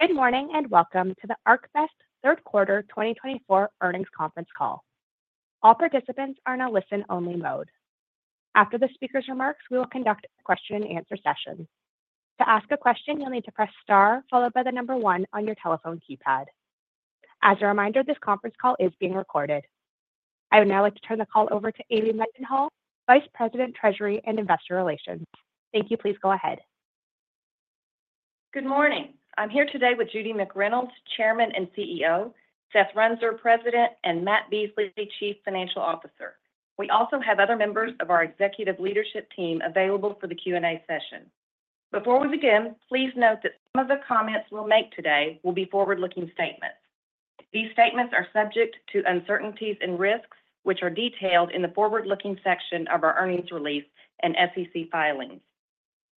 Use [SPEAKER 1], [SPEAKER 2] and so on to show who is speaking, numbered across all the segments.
[SPEAKER 1] Good morning and welcome to the ArcBest Third Quarter 2024 Earnings Conference Call. All participants are in a listen-only mode. After the speaker's remarks, we will conduct a question-and-answer session. To ask a question, you'll need to press star followed by the number one on your telephone keypad. As a reminder, this conference call is being recorded. I would now like to turn the call over to Amy Mendenhall, Vice President, Treasury and Investor Relations. Thank you. Please go ahead.
[SPEAKER 2] Good morning. I'm here today with Judy McReynolds, Chairman and CEO, Seth Runser, President, and Matt Beasley, Chief Financial Officer. We also have other members of our executive leadership team available for the Q&A session. Before we begin, please note that some of the comments we'll make today will be forward-looking statements. These statements are subject to uncertainties and risks, which are detailed in the forward-looking section of our earnings release and SEC filings.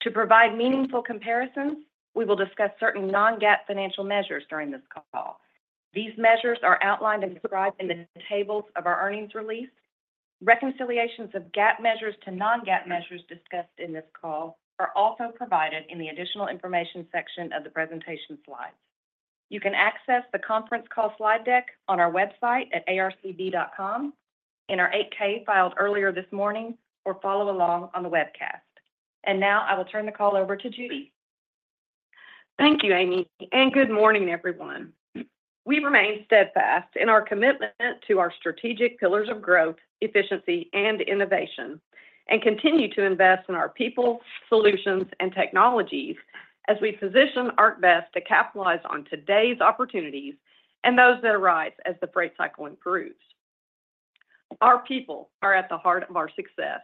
[SPEAKER 2] To provide meaningful comparisons, we will discuss certain non-GAAP financial measures during this call. These measures are outlined and described in the tables of our earnings release. Reconciliations of GAAP measures to non-GAAP measures discussed in this call are also provided in the additional information section of the presentation slides. You can access the conference call slide deck on our website at arcb.com, in our 8-K filed earlier this morning, or follow along on the webcast. Now I will turn the call over to Judy.
[SPEAKER 3] Thank you, Amy. And good morning, everyone. We remain steadfast in our commitment to our strategic pillars of growth, efficiency, and innovation, and continue to invest in our people, solutions, and technologies as we position ArcBest to capitalize on today's opportunities and those that arise as the freight cycle improves. Our people are at the heart of our success.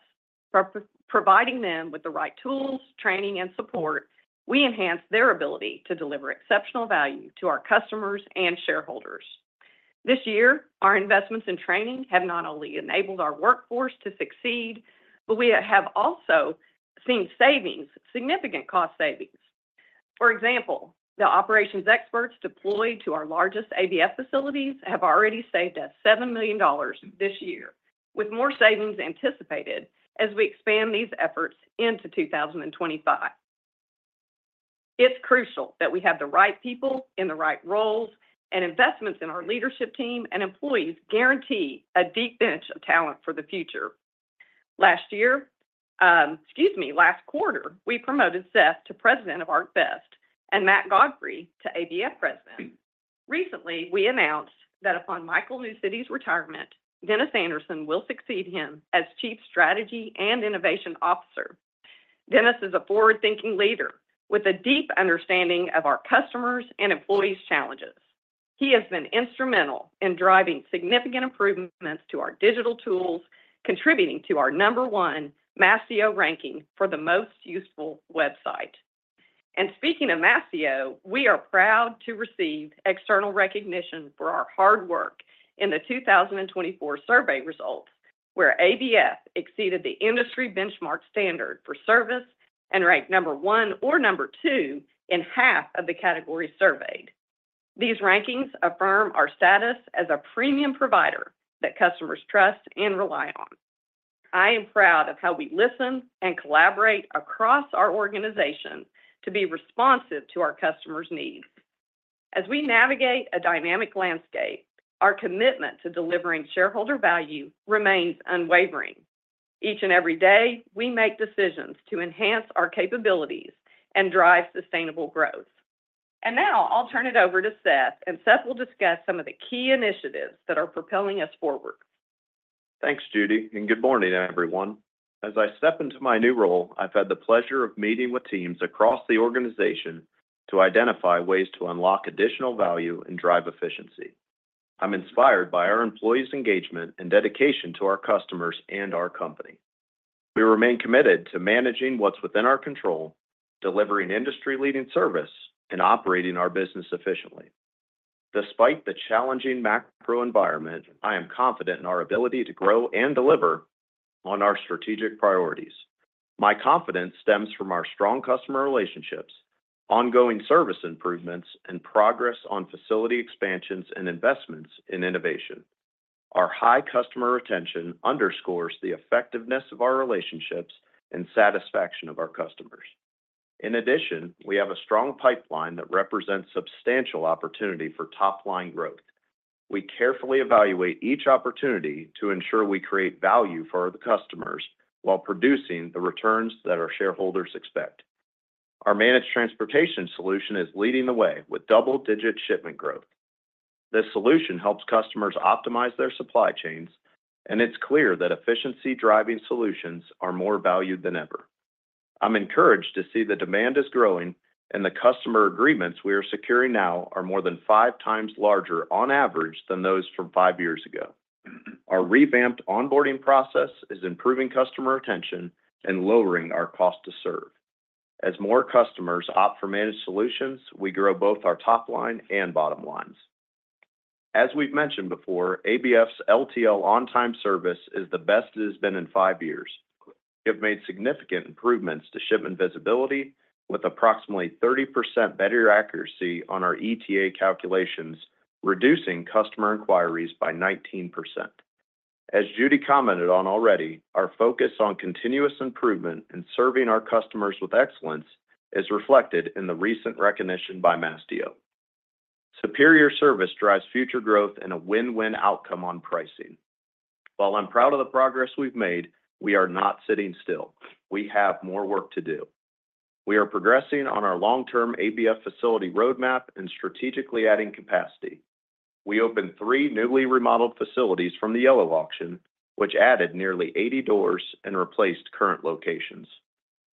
[SPEAKER 3] By providing them with the right tools, training, and support, we enhance their ability to deliver exceptional value to our customers and shareholders. This year, our investments in training have not only enabled our workforce to succeed, but we have also seen savings, significant cost savings. For example, the operations experts deployed to our largest ABF facilities have already saved us $7 million this year, with more savings anticipated as we expand these efforts into 2025. It's crucial that we have the right people in the right roles, and investments in our leadership team and employees guarantee a deep bench of talent for the future. Last year, excuse me, last quarter, we promoted Seth to President of ArcBest and Matt Godfrey to ABF President. Recently, we announced that upon Michael Newcity's retirement, Dennis Anderson will succeed him as Chief Strategy and Innovation Officer. Dennis is a forward-thinking leader with a deep understanding of our customers' and employees' challenges. He has been instrumental in driving significant improvements to our digital tools, contributing to our number one Mastio ranking for the most useful website. And speaking of Mastio, we are proud to receive external recognition for our hard work in the 2024 survey results, where ABF exceeded the industry benchmark standard for service and ranked number one or number two in half of the categories surveyed. These rankings affirm our status as a premium provider that customers trust and rely on. I am proud of how we listen and collaborate across our organization to be responsive to our customers' needs. As we navigate a dynamic landscape, our commitment to delivering shareholder value remains unwavering. Each and every day, we make decisions to enhance our capabilities and drive sustainable growth. And now I'll turn it over to Seth, and Seth will discuss some of the key initiatives that are propelling us forward.
[SPEAKER 4] Thanks, Judy. And good morning, everyone. As I step into my new role, I've had the pleasure of meeting with teams across the organization to identify ways to unlock additional value and drive efficiency. I'm inspired by our employees' engagement and dedication to our customers and our company. We remain committed to managing what's within our control, delivering industry-leading service, and operating our business efficiently. Despite the challenging macro environment, I am confident in our ability to grow and deliver on our strategic priorities. My confidence stems from our strong customer relationships, ongoing service improvements, and progress on facility expansions and investments in innovation. Our high customer retention underscores the effectiveness of our relationships and satisfaction of our customers. In addition, we have a strong pipeline that represents substantial opportunity for top-line growth. We carefully evaluate each opportunity to ensure we create value for the customers while producing the returns that our shareholders expect. Our managed transportation solution is leading the way with double-digit shipment growth. This solution helps customers optimize their supply chains, and it's clear that efficiency-driving solutions are more valued than ever. I'm encouraged to see the demand is growing, and the customer agreements we are securing now are more than five times larger on average than those from five years ago. Our revamped onboarding process is improving customer retention and lowering our cost to serve. As more customers opt for managed solutions, we grow both our top line and bottom lines. As we've mentioned before, ABF's LTL on-time service is the best it has been in five years. We have made significant improvements to shipment visibility with approximately 30% better accuracy on our ETA calculations, reducing customer inquiries by 19%. As Judy commented on already, our focus on continuous improvement and serving our customers with excellence is reflected in the recent recognition by Mastio & Company. Superior service drives future growth and a win-win outcome on pricing. While I'm proud of the progress we've made, we are not sitting still. We have more work to do. We are progressing on our long-term ABF facility roadmap and strategically adding capacity. We opened three newly remodeled facilities from the Yellow Auction, which added nearly 80 doors and replaced current locations.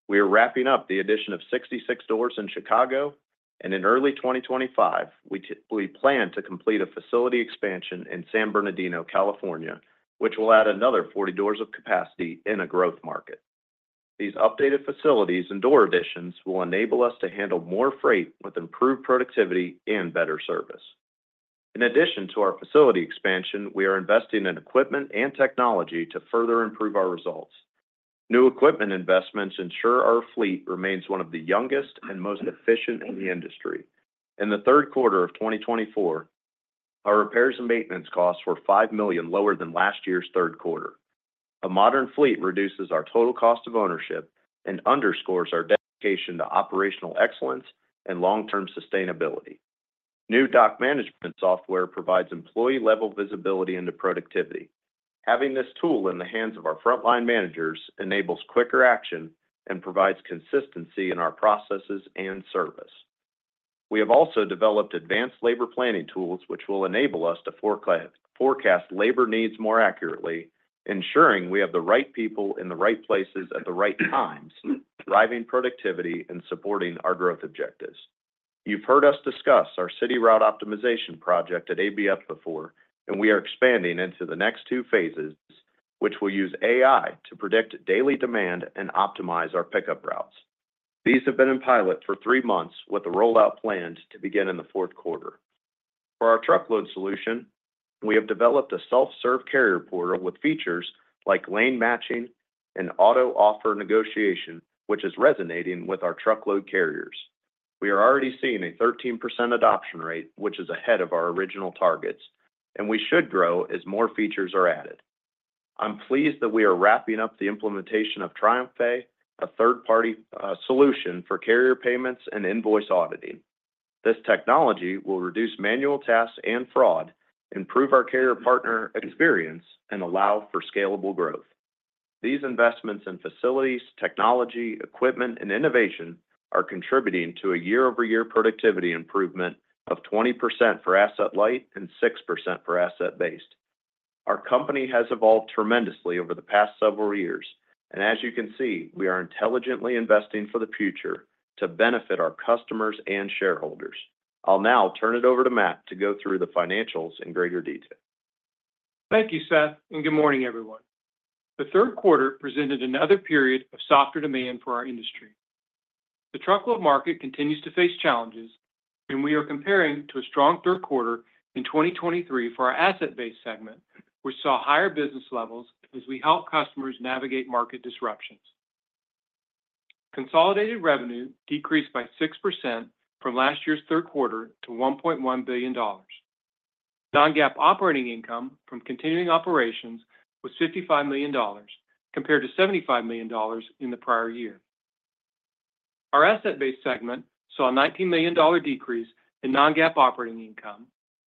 [SPEAKER 4] We are wrapping up the addition of 66 doors in Chicago, and in early 2025, we plan to complete a facility expansion in San Bernardino, California, which will add another 40 doors of capacity in a growth market. These updated facilities and door additions will enable us to handle more freight with improved productivity and better service. In addition to our facility expansion, we are investing in equipment and technology to further improve our results. New equipment investments ensure our fleet remains one of the youngest and most efficient in the industry. In the third quarter of 2024, our repairs and maintenance costs were $5 million lower than last year's third quarter. A modern fleet reduces our total cost of ownership and underscores our dedication to operational excellence and long-term sustainability. New dock management software provides employee-level visibility into productivity. Having this tool in the hands of our frontline managers enables quicker action and provides consistency in our processes and service. We have also developed advanced labor planning tools, which will enable us to forecast labor needs more accurately, ensuring we have the right people in the right places at the right times, driving productivity and supporting our growth objectives. You've heard us discuss our city route optimization project at ABF before, and we are expanding into the next two phases, which will use AI to predict daily demand and optimize our pickup routes. These have been in pilot for three months, with a rollout planned to begin in the fourth quarter. For our truckload solution, we have developed a self-serve carrier portal with features like lane matching and auto offer negotiation, which is resonating with our truckload carriers. We are already seeing a 13% adoption rate, which is ahead of our original targets, and we should grow as more features are added. I'm pleased that we are wrapping up the implementation of TriumphPay, a third-party solution for carrier payments and invoice auditing. This technology will reduce manual tasks and fraud, improve our carrier partner experience, and allow for scalable growth. These investments in facilities, technology, equipment, and innovation are contributing to a year-over-year productivity improvement of 20% for asset-light and 6% for asset-based. Our company has evolved tremendously over the past several years, and as you can see, we are intelligently investing for the future to benefit our customers and shareholders. I'll now turn it over to Matt to go through the financials in greater detail.
[SPEAKER 5] Thank you, Seth, and good morning, everyone. The third quarter presented another period of softer demand for our industry. The truckload market continues to face challenges, and we are comparing to a strong third quarter in 2023 for our asset-based segment, which saw higher business levels as we helped customers navigate market disruptions. Consolidated revenue decreased by 6% from last year's third quarter to $1.1 billion. Non-GAAP operating income from continuing operations was $55 million, compared to $75 million in the prior year. Our asset-based segment saw a $19 million decrease in non-GAAP operating income,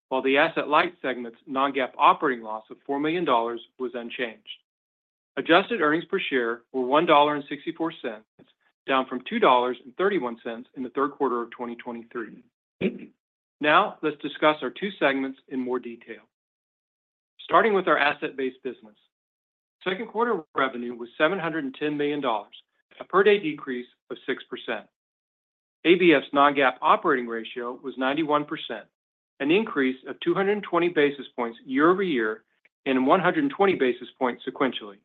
[SPEAKER 5] while the asset-light segment's non-GAAP operating loss of $4 million was unchanged. Adjusted earnings per share were $1.64, down from $2.31 in the third quarter of 2023. Now let's discuss our two segments in more detail, starting with our asset-based business. Third quarter revenue was $710 million, a per-day decrease of 6%. ABF's non-GAAP operating ratio was 91%, an increase of 220 basis points year over year and 120 basis points sequentially.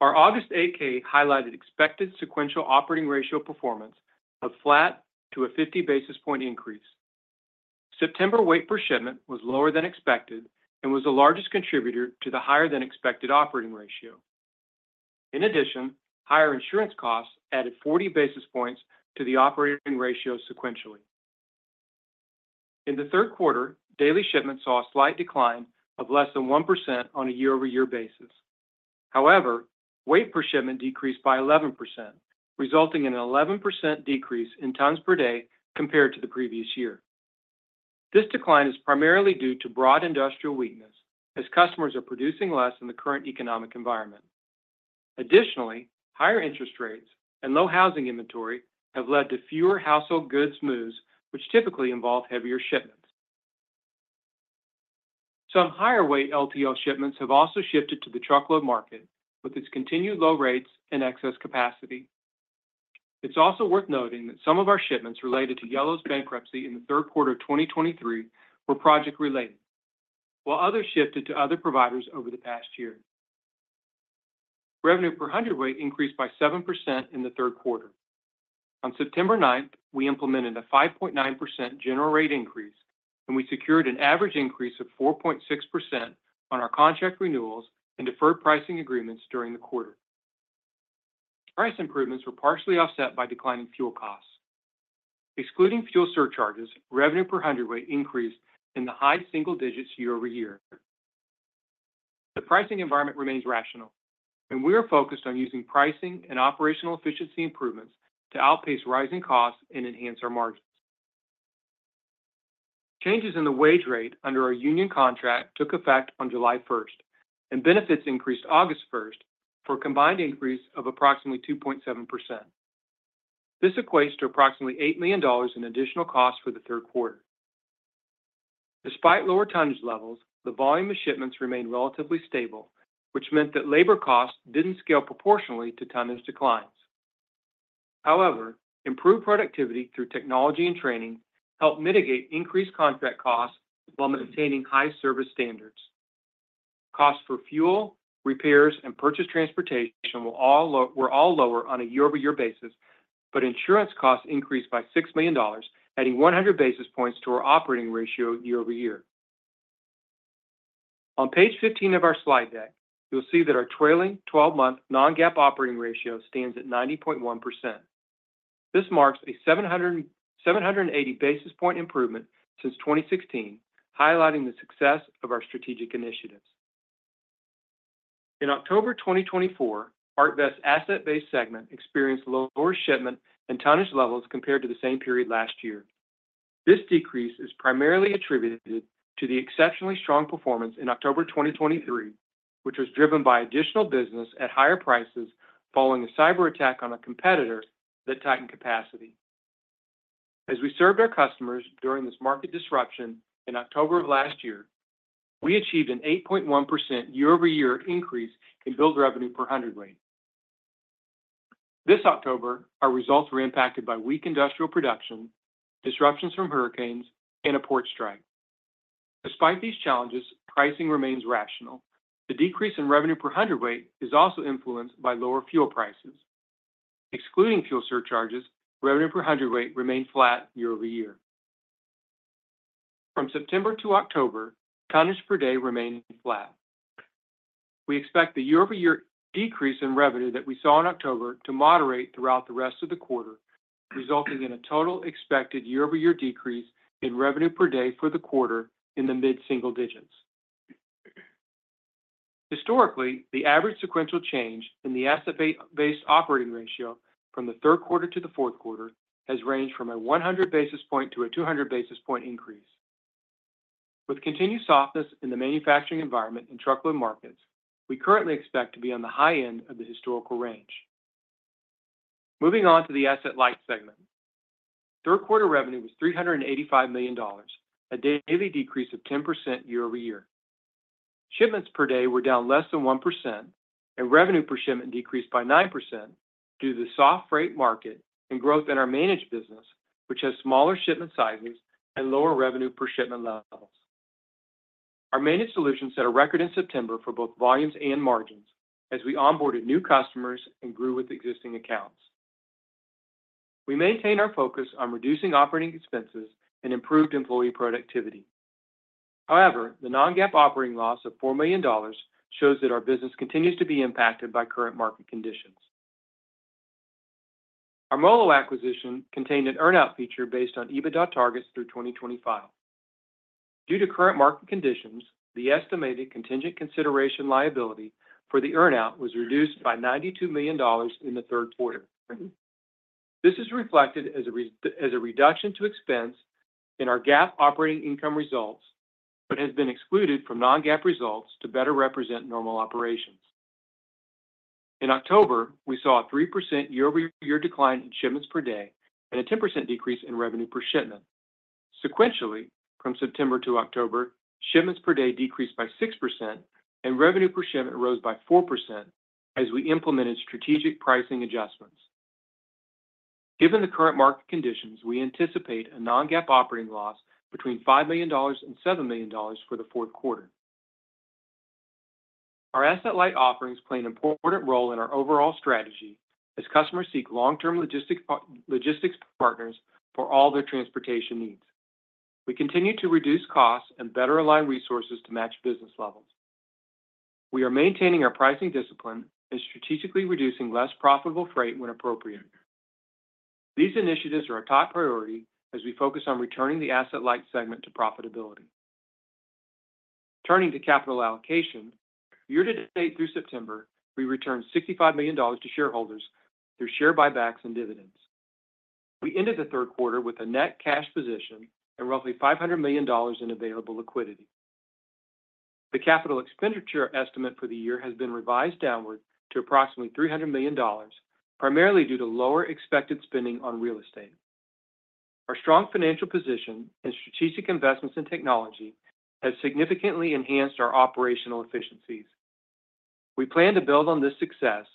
[SPEAKER 5] Our August 8-K highlighted expected sequential operating ratio performance of flat to a 50 basis point increase. September weight per shipment was lower than expected and was the largest contributor to the higher-than-expected operating ratio. In addition, higher insurance costs added 40 basis points to the operating ratio sequentially. In the third quarter, daily shipment saw a slight decline of less than 1% on a year-over-year basis. However, weight per shipment decreased by 11%, resulting in an 11% decrease in tons per day compared to the previous year. This decline is primarily due to broad industrial weakness, as customers are producing less in the current economic environment. Additionally, higher interest rates and low housing inventory have led to fewer household goods moves, which typically involve heavier shipments. Some higher-weight LTL shipments have also shifted to the truckload market, with its continued low rates and excess capacity. It's also worth noting that some of our shipments related to Yellow's bankruptcy in the third quarter of 2023 were project-related, while others shifted to other providers over the past year. Revenue per hundredweight increased by 7% in the third quarter. On September 9th, we implemented a 5.9% general rate increase, and we secured an average increase of 4.6% on our contract renewals and deferred pricing agreements during the quarter. Price improvements were partially offset by declining fuel costs. Excluding fuel surcharges, revenue per hundredweight increased in the high single digits year over year. The pricing environment remains rational, and we are focused on using pricing and operational efficiency improvements to outpace rising costs and enhance our margins. Changes in the wage rate under our union contract took effect on July 1st, and benefits increased August 1st for a combined increase of approximately 2.7%. This equates to approximately $8 million in additional costs for the third quarter. Despite lower tonnage levels, the volume of shipments remained relatively stable, which meant that labor costs didn't scale proportionally to tonnage declines. However, improved productivity through technology and training helped mitigate increased contract costs while maintaining high service standards. Costs for fuel, repairs, and purchased transportation were all lower on a year-over-year basis, but insurance costs increased by $6 million, adding 100 basis points to our operating ratio year-over-year. On page 15 of our slide deck, you'll see that our trailing 12-month non-GAAP operating ratio stands at 90.1%. This marks a 780 basis point improvement since 2016, highlighting the success of our strategic initiatives. In October 2024, ArcBest's asset-based segment experienced lower shipment and tonnage levels compared to the same period last year. This decrease is primarily attributed to the exceptionally strong performance in October 2023, which was driven by additional business at higher prices following a cyber attack on a competitor that tightened capacity. As we served our customers during this market disruption in October of last year, we achieved an 8.1% year-over-year increase in billed revenue per hundredweight. This October, our results were impacted by weak industrial production, disruptions from hurricanes, and a port strike. Despite these challenges, pricing remains rational. The decrease in revenue per hundredweight is also influenced by lower fuel prices. Excluding fuel surcharges, revenue per hundredweight remained flat year-over-year. From September to October, tonnage per day remained flat. We expect the year-over-year decrease in revenue that we saw in October to moderate throughout the rest of the quarter, resulting in a total expected year-over-year decrease in revenue per day for the quarter in the mid-single digits. Historically, the average sequential change in the asset-based operating ratio from the third quarter to the fourth quarter has ranged from a 100 basis point to a 200 basis point increase. With continued softness in the manufacturing environment and truckload markets, we currently expect to be on the high end of the historical range. Moving on to the asset-light segment, third quarter revenue was $385 million, a daily decrease of 10% year-over-year. Shipments per day were down less than 1%, and revenue per shipment decreased by 9% due to the soft freight market and growth in our managed business, which has smaller shipment sizes and lower revenue per shipment levels. Our managed solution set a record in September for both volumes and margins as we onboarded new customers and grew with existing accounts. We maintain our focus on reducing operating expenses and improved employee productivity. However, the non-GAAP operating loss of $4 million shows that our business continues to be impacted by current market conditions. Our MoLo acquisition contained an earnout feature based on EBITDA targets through 2025. Due to current market conditions, the estimated contingent consideration liability for the earnout was reduced by $92 million in the third quarter. This is reflected as a reduction to expense in our GAAP operating income results, but has been excluded from non-GAAP results to better represent normal operations. In October, we saw a 3% year-over-year decline in shipments per day and a 10% decrease in revenue per shipment. Sequentially, from September to October, shipments per day decreased by 6%, and revenue per shipment rose by 4% as we implemented strategic pricing adjustments. Given the current market conditions, we anticipate a Non-GAAP operating loss between $5 million and $7 million for the fourth quarter. Our Asset-Light offerings play an important role in our overall strategy as customers seek long-term logistics partners for all their transportation needs. We continue to reduce costs and better align resources to match business levels. We are maintaining our pricing discipline and strategically reducing less profitable freight when appropriate. These initiatives are a top priority as we focus on returning the Asset-Light segment to profitability. Turning to capital allocation, year to date through September, we returned $65 million to shareholders through share buybacks and dividends. We ended the third quarter with a net cash position and roughly $500 million in available liquidity. The capital expenditure estimate for the year has been revised downward to approximately $300 million, primarily due to lower expected spending on real estate. Our strong financial position and strategic investments in technology have significantly enhanced our operational efficiencies. We plan to build on this success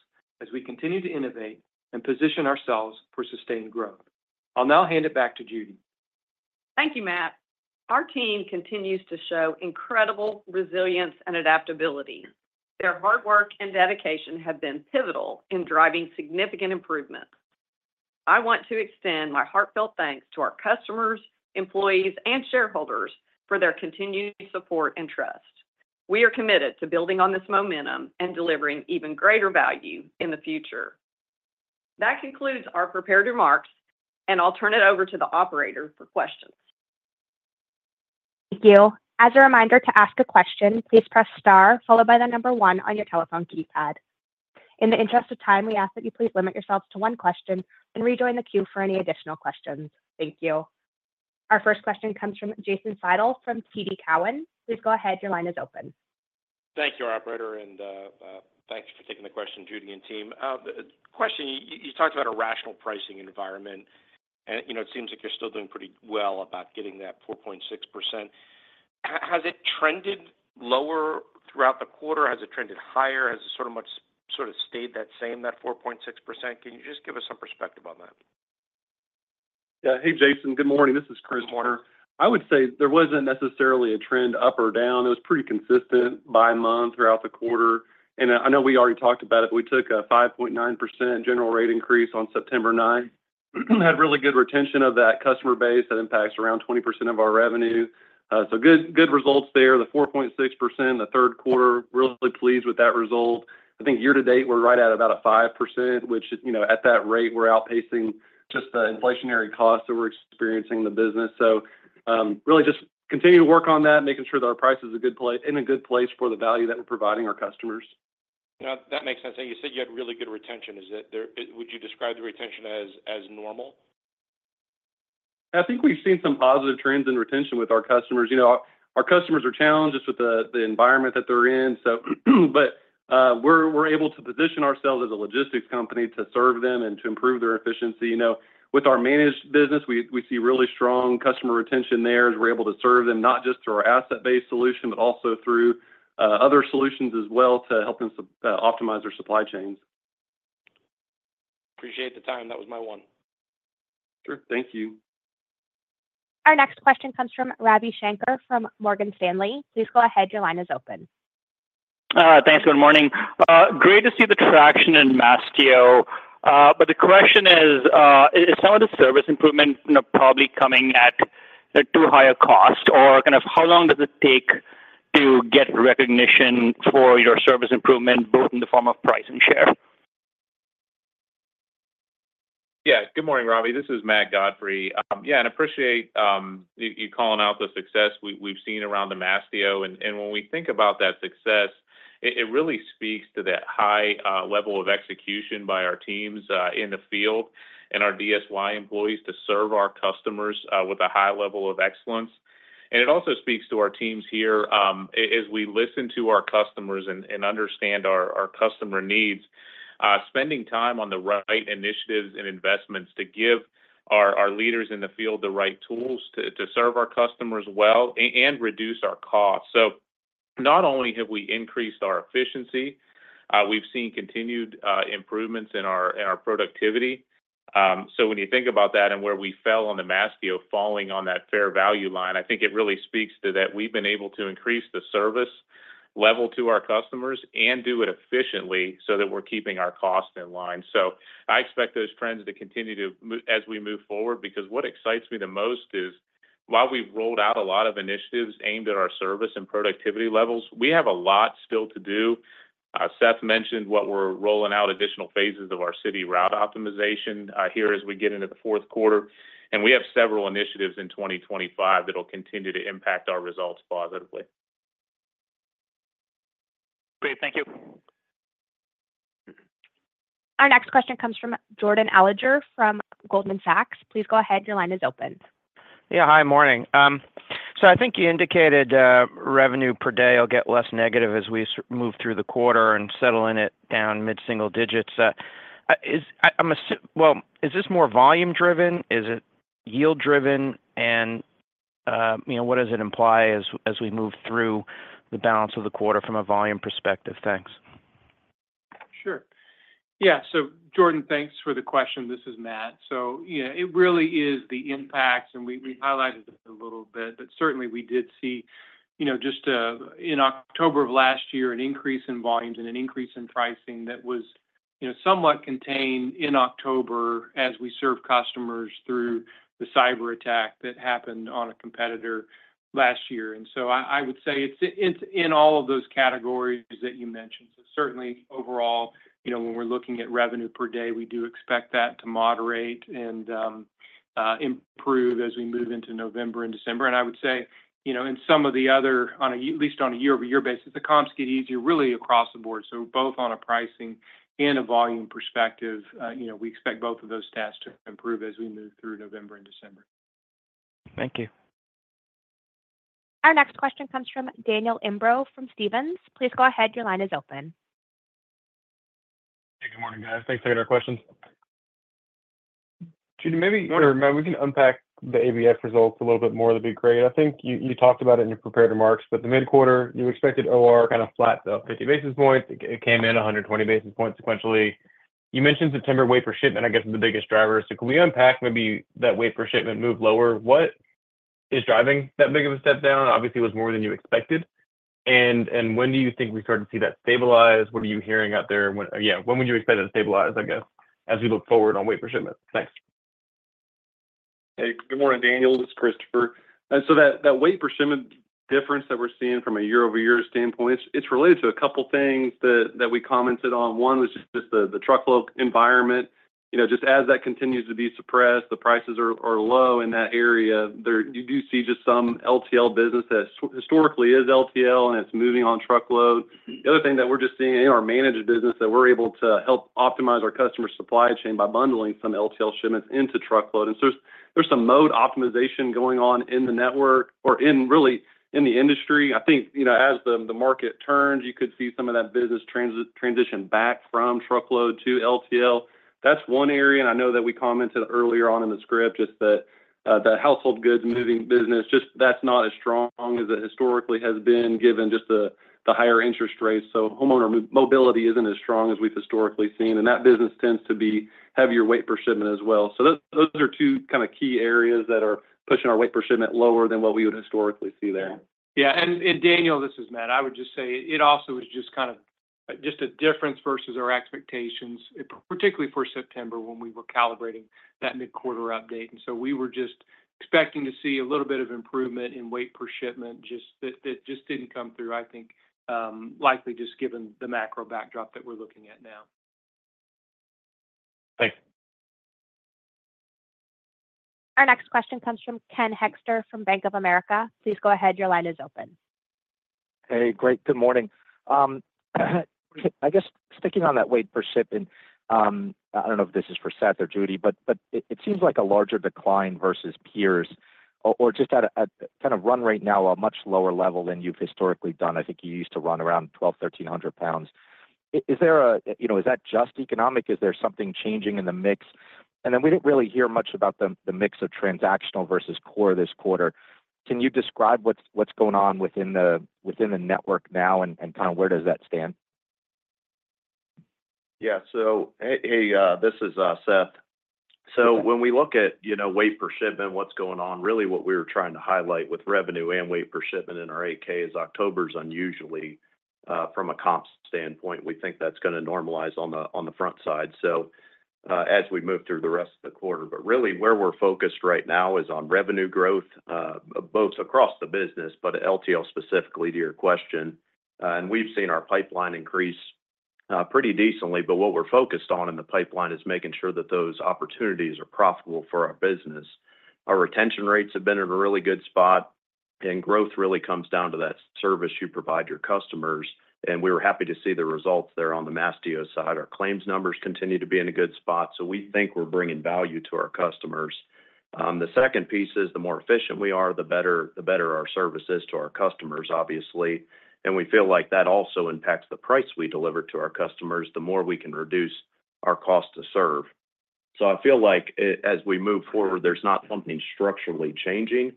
[SPEAKER 5] as we continue to innovate and position ourselves for sustained growth. I'll now hand it back to Judy.
[SPEAKER 3] Thank you, Matt. Our team continues to show incredible resilience and adaptability. Their hard work and dedication have been pivotal in driving significant improvements. I want to extend my heartfelt thanks to our customers, employees, and shareholders for their continued support and trust. We are committed to building on this momentum and delivering even greater value in the future. That concludes our prepared remarks, and I'll turn it over to the operator for questions.
[SPEAKER 1] Thank you. As a reminder to ask a question, please press star followed by the number one on your telephone keypad. In the interest of time, we ask that you please limit yourselves to one question and rejoin the queue for any additional questions. Thank you. Our first question comes from Jason Seidl from TD Cowen. Please go ahead. Your line is open.
[SPEAKER 6] Thank you, our operator, and thanks for taking the question, Judy and team. The question, you talked about a rational pricing environment, and it seems like you're still doing pretty well about getting that 4.6%. Has it trended lower throughout the quarter? Has it trended higher? Has it sort of stayed that same, that 4.6%? Can you just give us some perspective on that?
[SPEAKER 7] Yeah. Hey, Jason. Good morning. This is Chris Glockner. I would say there wasn't necessarily a trend up or down. It was pretty consistent by month throughout the quarter. And I know we already talked about it, but we took a 5.9% general rate increase on September 9th. Had really good retention of that customer base. That impacts around 20% of our revenue. So good results there. The 4.6% in the third quarter. Really pleased with that result. I think year to date, we're right at about a 5%, which at that rate, we're outpacing just the inflationary costs that we're experiencing in the business. So really just continue to work on that, making sure that our price is in a good place for the value that we're providing our customers.
[SPEAKER 6] That makes sense. And you said you had really good retention. Would you describe the retention as normal?
[SPEAKER 7] I think we've seen some positive trends in retention with our customers. Our customers are challenged just with the environment that they're in. But we're able to position ourselves as a logistics company to serve them and to improve their efficiency. With our managed business, we see really strong customer retention there as we're able to serve them not just through our asset-based solution, but also through other solutions as well to help them optimize their supply chains.
[SPEAKER 6] Appreciate the time. That was my one.
[SPEAKER 7] Sure. Thank you.
[SPEAKER 1] Our next question comes from Ravi Shankar from Morgan Stanley. Please go ahead. Your line is open.
[SPEAKER 8] Hi. Thanks. Good morning. Great to see the traction in Mastio. But the question is, is some of the service improvement probably coming at too high a cost? Or kind of how long does it take to get recognition for your service improvement, both in the form of price and share?
[SPEAKER 9] Yeah. Good morning, Ravi. This is Matt Godfrey. Yeah. And I appreciate you calling out the success we've seen around the Mastio. And when we think about that success, it really speaks to that high level of execution by our teams in the field and our DSY employees to serve our customers with a high level of excellence. And it also speaks to our teams here as we listen to our customers and understand our customer needs, spending time on the right initiatives and investments to give our leaders in the field the right tools to serve our customers well and reduce our costs. So not only have we increased our efficiency, we've seen continued improvements in our productivity. So when you think about that and where we fell on the Mastio falling on that fair value line, I think it really speaks to that we've been able to increase the service level to our customers and do it efficiently so that we're keeping our costs in line. So I expect those trends to continue as we move forward because what excites me the most is while we've rolled out a lot of initiatives aimed at our service and productivity levels, we have a lot still to do. Seth mentioned what we're rolling out additional phases of our City Route Optimization here as we get into the fourth quarter. And we have several initiatives in 2025 that will continue to impact our results positively.
[SPEAKER 8] Great. Thank you.
[SPEAKER 1] Our next question comes from Jordan Alliger from Goldman Sachs. Please go ahead. Your line is open.
[SPEAKER 10] Yeah. Hi. Morning. So I think you indicated revenue per day will get less negative as we move through the quarter and settle in at down mid-single digits. Well, is this more volume-driven? Is it yield-driven? And what does it imply as we move through the balance of the quarter from a volume perspective? Thanks.
[SPEAKER 5] Sure. Yeah. So Jordan, thanks for the question. This is Matt. So it really is the impact. We highlighted it a little bit. But certainly, we did see just in October of last year an increase in volumes and an increase in pricing that was somewhat contained in October as we served customers through the cyber attack that happened on a competitor last year. So I would say it's in all of those categories that you mentioned. Certainly, overall, when we're looking at revenue per day, we do expect that to moderate and improve as we move into November and December. I would say in some of the other, at least on a year-over-year basis, the comps get easier really across the board. So both on a pricing and a volume perspective, we expect both of those stats to improve as we move through November and December.
[SPEAKER 11] Thank you.
[SPEAKER 1] Our next question comes from Daniel Imbro from Stephens. Please go ahead. Your line is open.
[SPEAKER 12] Hey. Good morning, guys. Thanks for getting our questions. Judy, maybe you want to remember we can unpack the ABF results a little bit more. That'd be great. I think you talked about it in your prepared remarks, but the mid-quarter, you expected OR kind of flat, though, 50 basis points. It came in 120 basis points sequentially. You mentioned September weight per shipment, I guess, is the biggest driver, so can we unpack maybe that weight per shipment move lower? What is driving that big of a step down? Obviously, it was more than you expected, and when do you think we start to see that stabilize? What are you hearing out there? Yeah. When would you expect that to stabilize, I guess, as we look forward on weight per shipment? Thanks.
[SPEAKER 13] Hey. Good morning, Daniel. This is Christopher. So that weight per shipment difference that we're seeing from a year-over-year standpoint, it's related to a couple of things that we commented on. One was just the truckload environment. Just as that continues to be suppressed, the prices are low in that area. You do see just some LTL business that historically is LTL, and it's moving on truckload. The other thing that we're just seeing in our managed business that we're able to help optimize our customer supply chain by bundling some LTL shipments into truckload, and so there's some mode optimization going on in the network or really in the industry. I think as the market turns, you could see some of that business transition back from truckload to LTL. That's one area. And I know that we commented earlier on in the script just that the household goods moving business, just that's not as strong as it historically has been given just the higher interest rates. So homeowner mobility isn't as strong as we've historically seen. And that business tends to be heavier weight per shipment as well. So those are two kind of key areas that are pushing our weight per shipment lower than what we would historically see there.
[SPEAKER 5] Yeah. And Daniel, this is Matt. I would just say it also was kind of a difference versus our expectations, particularly for September when we were calibrating that mid-quarter update. And so we were just expecting to see a little bit of improvement in weight per shipment. Just that didn't come through, I think, likely given the macro backdrop that we're looking at now.
[SPEAKER 12] Thanks.
[SPEAKER 1] Our next question comes from Ken Hoexter from Bank of America. Please go ahead. Your line is open.
[SPEAKER 14] Hey. Great. Good morning. I guess sticking on that weight per shipment, I don't know if this is for Seth or Judy, but it seems like a larger decline versus peers or just at a kind of run right now a much lower level than you've historically done. I think you used to run around 1,200, 1,300 pounds. Is that just economic? Is there something changing in the mix? And then we didn't really hear much about the mix of transactional versus core this quarter. Can you describe what's going on within the network now and kind of where does that stand?
[SPEAKER 4] Yeah. So hey, this is Seth. So when we look at weight per shipment, what's going on, really what we were trying to highlight with revenue and weight per shipment in our 8-K is October's unusually from a comps standpoint. We think that's going to normalize on the front side as we move through the rest of the quarter. But really where we're focused right now is on revenue growth both across the business, but LTL specifically to your question. And we've seen our pipeline increase pretty decently. But what we're focused on in the pipeline is making sure that those opportunities are profitable for our business. Our retention rates have been in a really good spot. And growth really comes down to that service you provide your customers. And we were happy to see the results there on the Mastio side. Our claims numbers continue to be in a good spot. So we think we're bringing value to our customers. The second piece is the more efficient we are, the better our service is to our customers, obviously. And we feel like that also impacts the price we deliver to our customers the more we can reduce our cost to serve. So I feel like as we move forward, there's not something structurally changing.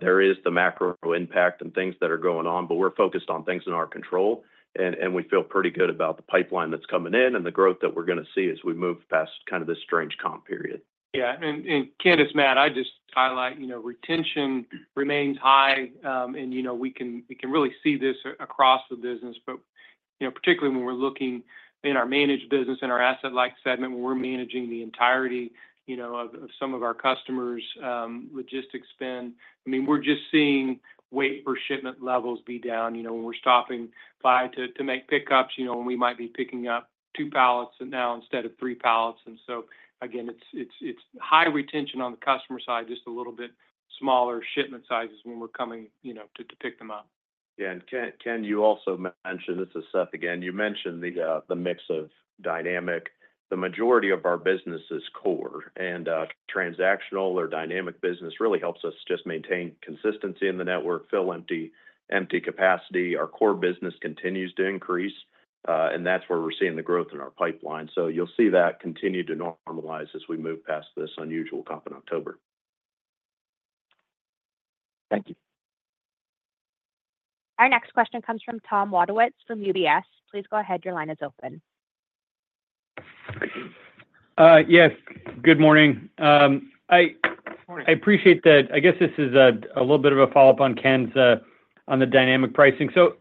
[SPEAKER 4] There is the macro impact and things that are going on, but we're focused on things in our control. And we feel pretty good about the pipeline that's coming in and the growth that we're going to see as we move past kind of this strange comp period.
[SPEAKER 5] Yeah. And Ken, Matt, I'd just highlight retention remains high. And we can really see this across the business, but particularly when we're looking in our managed business and our asset-light segment, when we're managing the entirety of some of our customers' logistics spend. I mean, we're just seeing weight per shipment levels be down. When we're stopping by to make pickups, we might be picking up two pallets now instead of three pallets. And so again, it's high retention on the customer side, just a little bit smaller shipment sizes when we're coming to pick them up.
[SPEAKER 4] Yeah, and Ken, you also mentioned. This is Seth again. You mentioned the mix of dynamic. The majority of our business is core, and transactional or dynamic business really helps us just maintain consistency in the network, fill empty capacity. Our core business continues to increase, and that's where we're seeing the growth in our pipeline, so you'll see that continue to normalize as we move past this unusual comp in October.
[SPEAKER 14] Thank you.
[SPEAKER 1] Our next question comes from Tom Wadewitz from UBS. Please go ahead. Your line is open.
[SPEAKER 15] Yes. Good morning. I appreciate that. I guess this is a little bit of a follow-up on Ken's on the dynamic pricing. So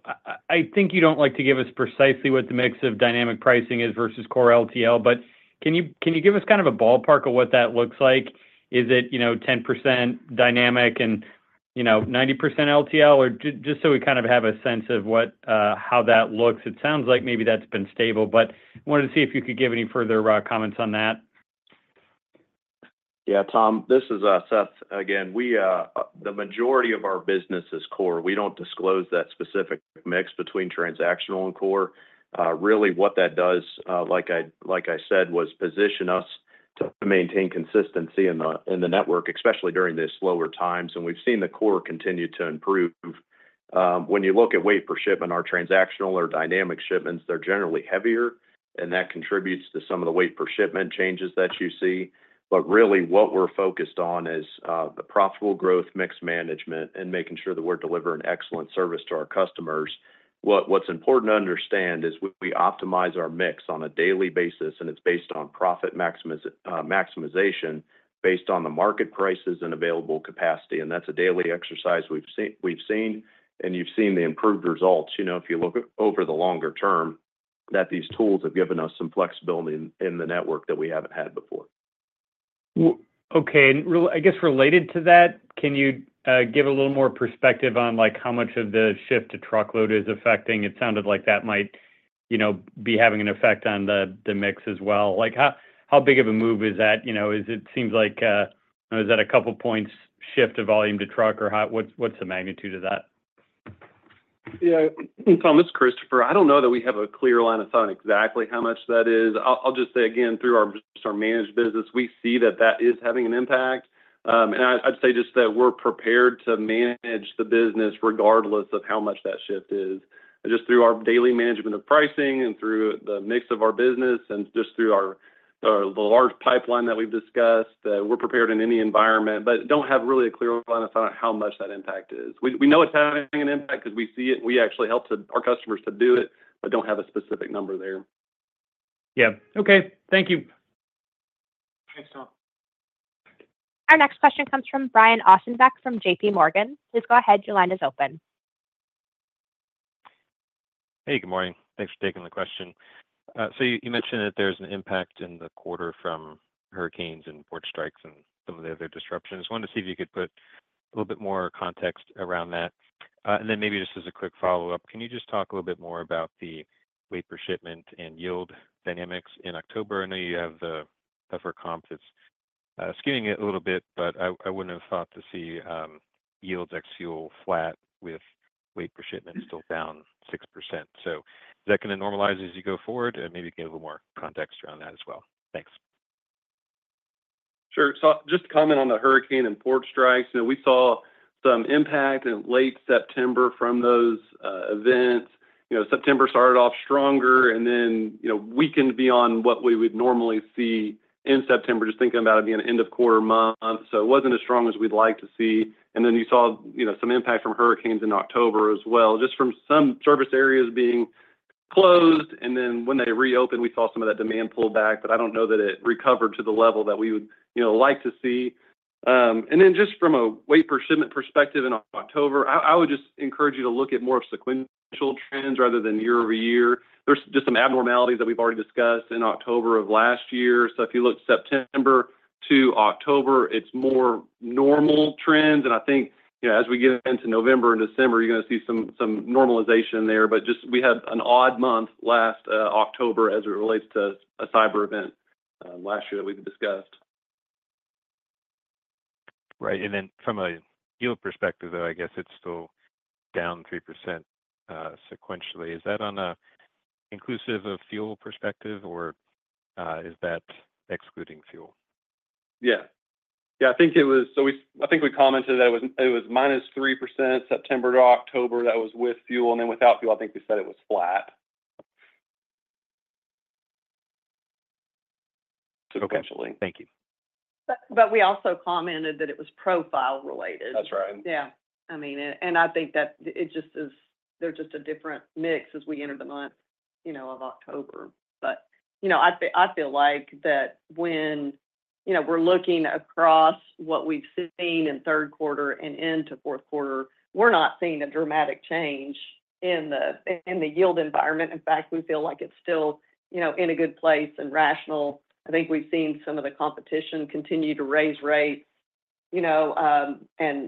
[SPEAKER 15] I think you don't like to give us precisely what the mix of dynamic pricing is versus core LTL. But can you give us kind of a ballpark of what that looks like? Is it 10% dynamic and 90% LTL? Or just so we kind of have a sense of how that looks. It sounds like maybe that's been stable. But wanted to see if you could give any further comments on that.
[SPEAKER 4] Yeah. Tom, this is Seth again. The majority of our business is core. We don't disclose that specific mix between transactional and core. Really what that does, like I said, was position us to maintain consistency in the network, especially during these slower times, and we've seen the core continue to improve. When you look at weight per shipment, our transactional or dynamic shipments, they're generally heavier, and that contributes to some of the weight per shipment changes that you see, but really what we're focused on is the profitable growth, mixed management, and making sure that we're delivering excellent service to our customers. What's important to understand is we optimize our mix on a daily basis, and it's based on profit maximization based on the market prices and available capacity, and that's a daily exercise we've seen. You've seen the improved results if you look over the longer term that these tools have given us some flexibility in the network that we haven't had before.
[SPEAKER 15] Okay. And I guess related to that, can you give a little more perspective on how much of the shift to truckload is affecting? It sounded like that might be having an effect on the mix as well. How big of a move is that? It seems like is that a couple of points shift of volume to truck or what's the magnitude of that?
[SPEAKER 13] Yeah. Tom, this is Christopher. I don't know that we have a clear line of thought on exactly how much that is. I'll just say again, through just our managed business, we see that that is having an impact. And I'd say just that we're prepared to manage the business regardless of how much that shift is. Just through our daily management of pricing and through the mix of our business and just through the large pipeline that we've discussed, we're prepared in any environment, but don't have really a clear line of thought on how much that impact is. We know it's having an impact because we see it. We actually help our customers to do it, but don't have a specific number there.
[SPEAKER 15] Yeah. Okay. Thank you.
[SPEAKER 5] Thanks, Tom.
[SPEAKER 1] Our next question comes from Brian Ossenbeck from J.P. Morgan. Please go ahead. Your line is open.
[SPEAKER 16] Hey. Good morning. Thanks for taking the question. So you mentioned that there's an impact in the quarter from hurricanes and port strikes and some of the other disruptions. I wanted to see if you could put a little bit more context around that. And then maybe just as a quick follow-up, can you just talk a little bit more about the weight per shipment and yield dynamics in October? I know you have the tougher comp that's skewing it a little bit, but I wouldn't have thought to see yields ex-fuel flat with weight per shipment still down 6%. So is that going to normalize as you go forward? And maybe you can give a little more context around that as well. Thanks.
[SPEAKER 4] Sure. So just to comment on the hurricane and port strikes, we saw some impact in late September from those events. September started off stronger and then weakened beyond what we would normally see in September, just thinking about it being an end-of-quarter month. So it wasn't as strong as we'd like to see. And then you saw some impact from hurricanes in October as well, just from some service areas being closed. And then when they reopened, we saw some of that demand pull back. But I don't know that it recovered to the level that we would like to see. And then just from a weight per shipment perspective in October, I would just encourage you to look at more of sequential trends rather than year-over-year. There's just some abnormalities that we've already discussed in October of last year. So if you look September to October, it's more normal trends. And I think as we get into November and December, you're going to see some normalization there. But just we had an odd month last October as it relates to a cyber event last year that we've discussed.
[SPEAKER 16] Right, and then from a yield perspective, though, I guess it's still down 3% sequentially. Is that on an inclusive of fuel perspective, or is that excluding fuel?
[SPEAKER 4] Yeah. Yeah. I think it was, so I think we commented that it was -3% September to October. That was with fuel. And then without fuel, I think we said it was flat sequentially.
[SPEAKER 3] Okay. Thank you.
[SPEAKER 17] But we also commented that it was profile-related.
[SPEAKER 16] That's right.
[SPEAKER 17] Yeah. I mean, and I think that it just is they're just a different mix as we enter the month of October. But I feel like that when we're looking across what we've seen in third quarter and into fourth quarter, we're not seeing a dramatic change in the yield environment. In fact, we feel like it's still in a good place and rational. I think we've seen some of the competition continue to raise rates and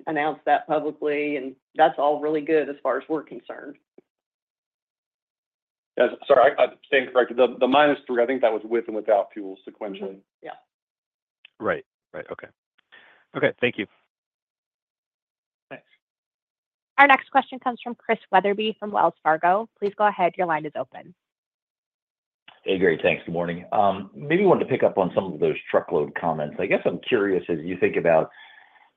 [SPEAKER 17] announce that publicly. And that's all really good as far as we're concerned.
[SPEAKER 4] Yeah. Sorry. I think the minus 3, I think that was with and without fuel sequentially.
[SPEAKER 17] Yeah.
[SPEAKER 4] Right. Right.
[SPEAKER 16] Okay. Okay. Thank you.
[SPEAKER 5] Thanks.
[SPEAKER 1] Our next question comes from Chris Wetherbee from Wells Fargo. Please go ahead. Your line is open.
[SPEAKER 18] Hey, Judy. Thanks. Good morning. Maybe I wanted to pick up on some of those truckload comments. I guess I'm curious, as you think about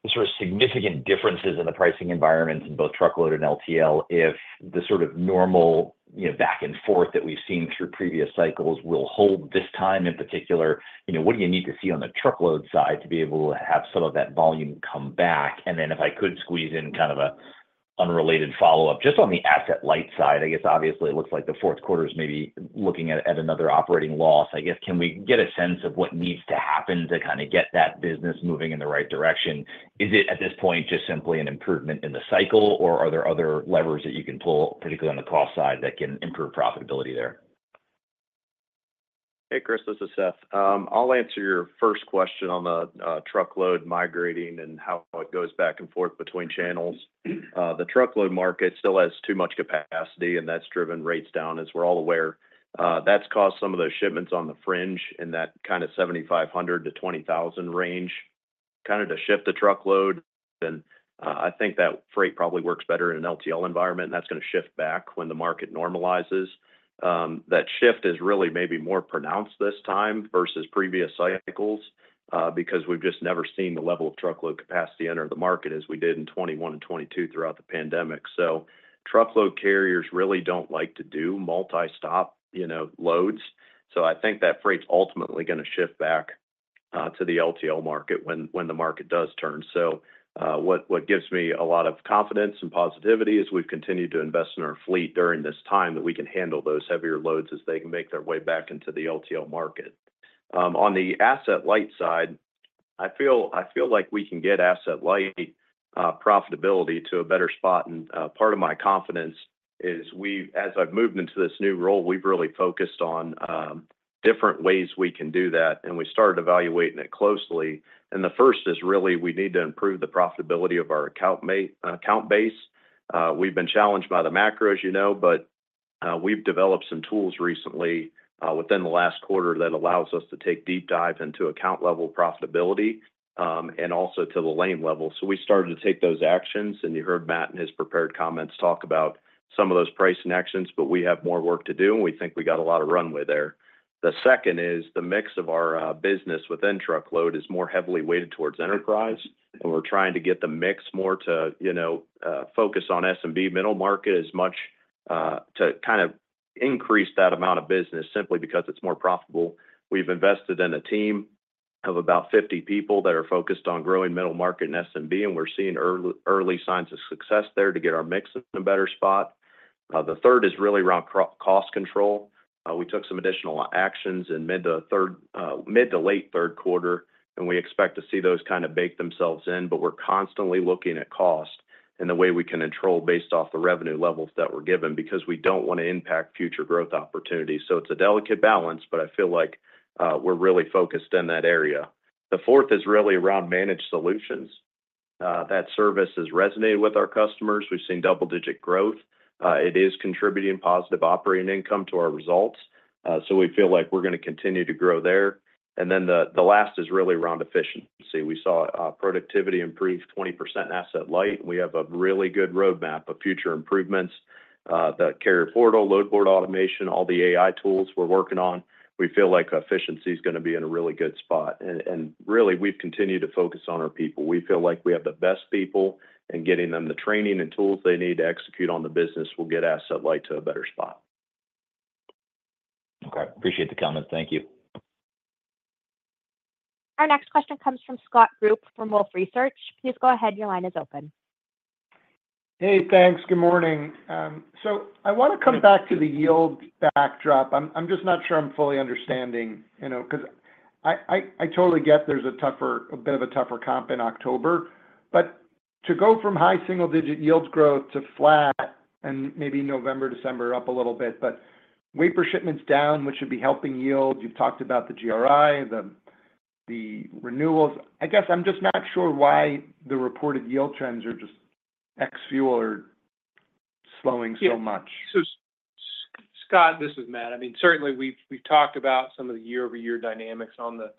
[SPEAKER 18] the sort of significant differences in the pricing environments in both truckload and LTL, if the sort of normal back and forth that we've seen through previous cycles will hold this time in particular. What do you need to see on the truckload side to be able to have some of that volume come back? And then if I could squeeze in kind of an unrelated follow-up, just on the asset-light side, I guess obviously it looks like the fourth quarter is maybe looking at another operating loss. I guess can we get a sense of what needs to happen to kind of get that business moving in the right direction? Is it at this point just simply an improvement in the cycle, or are there other levers that you can pull, particularly on the cost side, that can improve profitability there?
[SPEAKER 4] Hey, Chris. This is Seth. I'll answer your first question on the truckload migrating and how it goes back and forth between channels. The truckload market still has too much capacity, and that's driven rates down, as we're all aware. That's caused some of those shipments on the fringe in that kind of 7,500-20,000 range. Kind of to shift the truckload. And I think that freight probably works better in an LTL environment. And that's going to shift back when the market normalizes. That shift is really maybe more pronounced this time versus previous cycles because we've just never seen the level of truckload capacity enter the market as we did in 2021 and 2022 throughout the pandemic. So truckload carriers really don't like to do multi-stop loads. So I think that freight's ultimately going to shift back to the LTL market when the market does turn. So what gives me a lot of confidence and positivity is we've continued to invest in our fleet during this time that we can handle those heavier loads as they can make their way back into the LTL market. On the asset-light side, I feel like we can get asset-light profitability to a better spot. And part of my confidence is, as I've moved into this new role, we've really focused on different ways we can do that. And we started evaluating it closely. And the first is really we need to improve the profitability of our account base. We've been challenged by the macro, as you know, but we've developed some tools recently within the last quarter that allows us to take deep dive into account-level profitability and also to the lane-level. So we started to take those actions. And you heard Matt in his prepared comments talk about some of those price inactions, but we have more work to do. And we think we got a lot of runway there. The second is the mix of our business within truckload is more heavily weighted towards enterprise. And we're trying to get the mix more to focus on SMB middle market as much to kind of increase that amount of business simply because it's more profitable. We've invested in a team of about 50 people that are focused on growing middle market and SMB. And we're seeing early signs of success there to get our mix in a better spot. The third is really around cost control. We took some additional actions in mid to late third quarter. And we expect to see those kind of bake themselves in. But we're constantly looking at cost and the way we can control based off the revenue levels that we're given because we don't want to impact future growth opportunities. So it's a delicate balance, but I feel like we're really focused in that area. The fourth is really around managed solutions. That service has resonated with our customers. We've seen double-digit growth. It is contributing positive operating income to our results. So we feel like we're going to continue to grow there. And then the last is really around efficiency. We saw productivity improve 20% in asset-light. We have a really good roadmap of future improvements: the carrier portal, load board automation, all the AI tools we're working on. We feel like efficiency is going to be in a really good spot. And really, we've continued to focus on our people. We feel like we have the best people. Getting them the training and tools they need to execute on the business will get asset-light to a better spot.
[SPEAKER 18] Okay. Appreciate the comments. Thank you.
[SPEAKER 1] Our next question comes from Scott Group from Wolfe Research. Please go ahead. Your line is open.
[SPEAKER 19] Hey. Thanks. Good morning. So I want to come back to the yield backdrop. I'm just not sure I'm fully understanding because I totally get there's a bit of a tougher comp in October. But to go from high single-digit yields growth to flat and maybe November, December up a little bit, but weight per shipment's down, which should be helping yield. You've talked about the GRI, the renewals. I guess I'm just not sure why the reported yield trends are just ex-fuel are slowing so much.
[SPEAKER 5] Yeah. So Scott, this is Matt. I mean, certainly we've talked about some of the year-over-year dynamics on the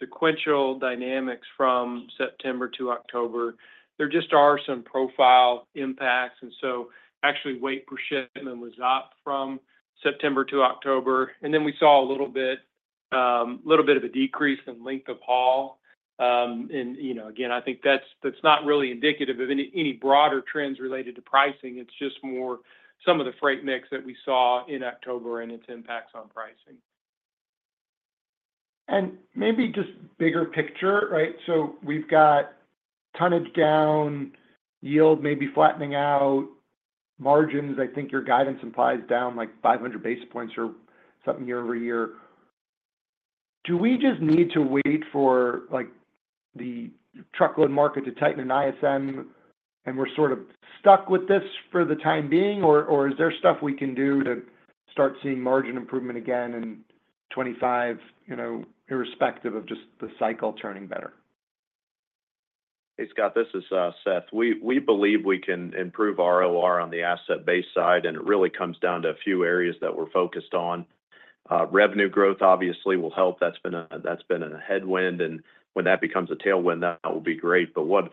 [SPEAKER 5] sequential dynamics from September to October. There just are some profile impacts. And so actually, weight per shipment was up from September to October. And then we saw a little bit of a decrease in length of haul. And again, I think that's not really indicative of any broader trends related to pricing. It's just more some of the freight mix that we saw in October and its impacts on pricing.
[SPEAKER 19] And maybe just bigger picture, right? So we've got tonnage down, yield maybe flattening out, margins, I think your guidance implies down like 500 basis points or something year-over-year. Do we just need to wait for the truckload market to tighten an ISM, and we're sort of stuck with this for the time being? Or is there stuff we can do to start seeing margin improvement again in 2025 irrespective of just the cycle turning better?
[SPEAKER 4] Hey, Scott. This is Seth. We believe we can improve ROR on the asset-based side, and it really comes down to a few areas that we're focused on. Revenue growth, obviously, will help. That's been a headwind, and when that becomes a tailwind, that will be great, but what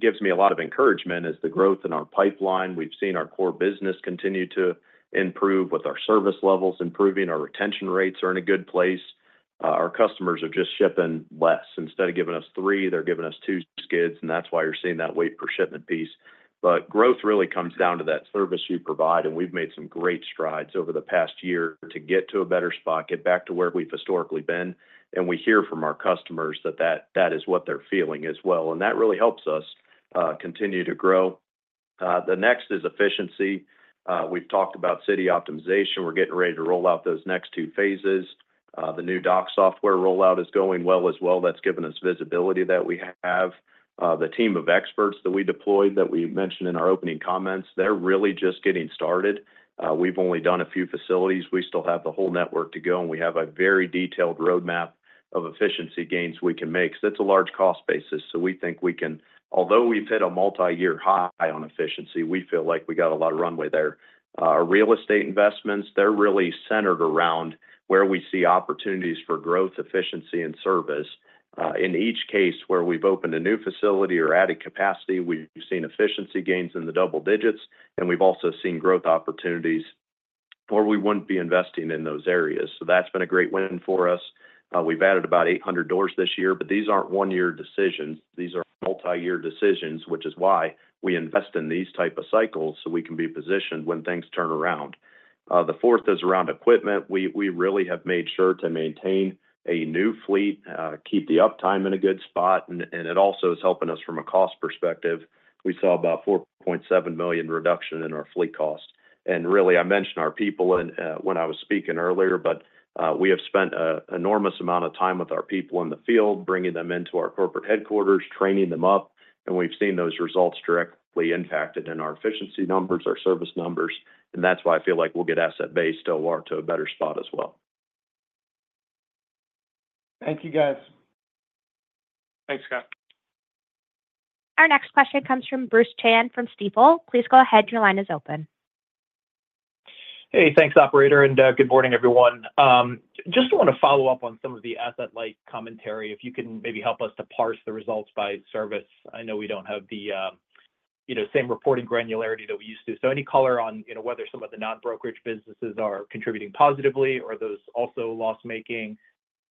[SPEAKER 4] gives me a lot of encouragement is the growth in our pipeline. We've seen our core business continue to improve with our service levels. Improving our retention rates are in a good place. Our customers are just shipping less. Instead of giving us three, they're giving us two skids, and that's why you're seeing that weight per shipment piece, but growth really comes down to that service you provide, and we've made some great strides over the past year to get to a better spot, get back to where we've historically been. We hear from our customers that that is what they're feeling as well. That really helps us continue to grow. The next is efficiency. We've talked about City Optimization. We're getting ready to roll out those next two phases. The new dock software rollout is going well as well. That's given us visibility that we have. The team of experts that we deployed that we mentioned in our opening comments, they're really just getting started. We've only done a few facilities. We still have the whole network to go. We have a very detailed roadmap of efficiency gains we can make. So that's a large cost basis. So we think we can, although we've hit a multi-year high on efficiency, we feel like we got a lot of runway there. Our real estate investments, they're really centered around where we see opportunities for growth, efficiency, and service. In each case where we've opened a new facility or added capacity, we've seen efficiency gains in the double digits, and we've also seen growth opportunities where we wouldn't be investing in those areas, so that's been a great win for us. We've added about 800 doors this year, but these aren't one-year decisions. These are multi-year decisions, which is why we invest in these type of cycles so we can be positioned when things turn around. The fourth is around equipment. We really have made sure to maintain a new fleet, keep the uptime in a good spot, and it also is helping us from a cost perspective. We saw about a $4.7 million reduction in our fleet cost. And really, I mentioned our people when I was speaking earlier, but we have spent an enormous amount of time with our people in the field, bringing them into our corporate headquarters, training them up. And we've seen those results directly impacted in our efficiency numbers, our service numbers. And that's why I feel like we'll get asset-based to a better spot as well.
[SPEAKER 19] Thank you, guys.
[SPEAKER 4] Thanks, Scott.
[SPEAKER 1] Our next question comes from Bruce Chan from Stifel. Please go ahead. Your line is open.
[SPEAKER 20] Hey. Thanks, operator, and good morning, everyone. Just want to follow up on some of the asset-light commentary. If you can maybe help us to parse the results by service. I know we don't have the same reporting granularity that we used to. So any color on whether some of the non-brokerage businesses are contributing positively or those also loss-making?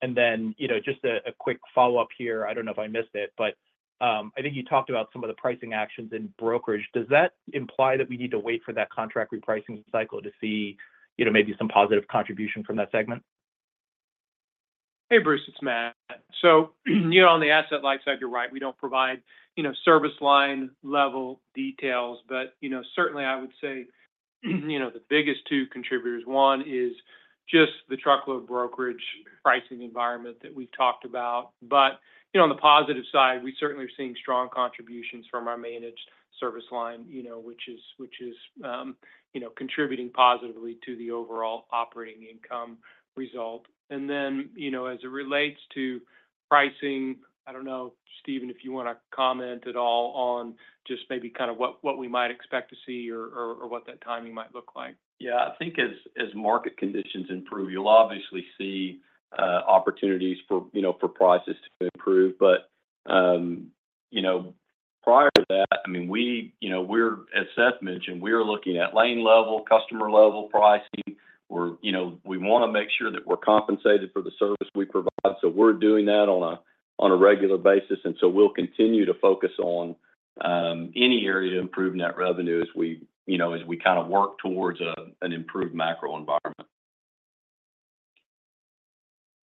[SPEAKER 20] And then just a quick follow-up here. I don't know if I missed it, but I think you talked about some of the pricing actions in brokerage. Does that imply that we need to wait for that contract repricing cycle to see maybe some positive contribution from that segment?
[SPEAKER 5] Hey, Bruce. It's Matt. So, on the asset-light side, you're right. We don't provide service line level details, but certainly, I would say the biggest two contributors, one is just the truckload brokerage pricing environment that we've talked about, but on the positive side, we certainly are seeing strong contributions from our managed service line, which is contributing positively to the overall operating income result, and then as it relates to pricing, I don't know, Steven, if you want to comment at all on just maybe kind of what we might expect to see or what that timing might look like.
[SPEAKER 21] Yeah. I think as market conditions improve, you'll obviously see opportunities for prices to improve. But prior to that, I mean, as Seth mentioned, we are looking at lane level, customer-level pricing. We want to make sure that we're compensated for the service we provide. So we're doing that on a regular basis, and so we'll continue to focus on any area improving that revenue as we kind of work towards an improved macro environment.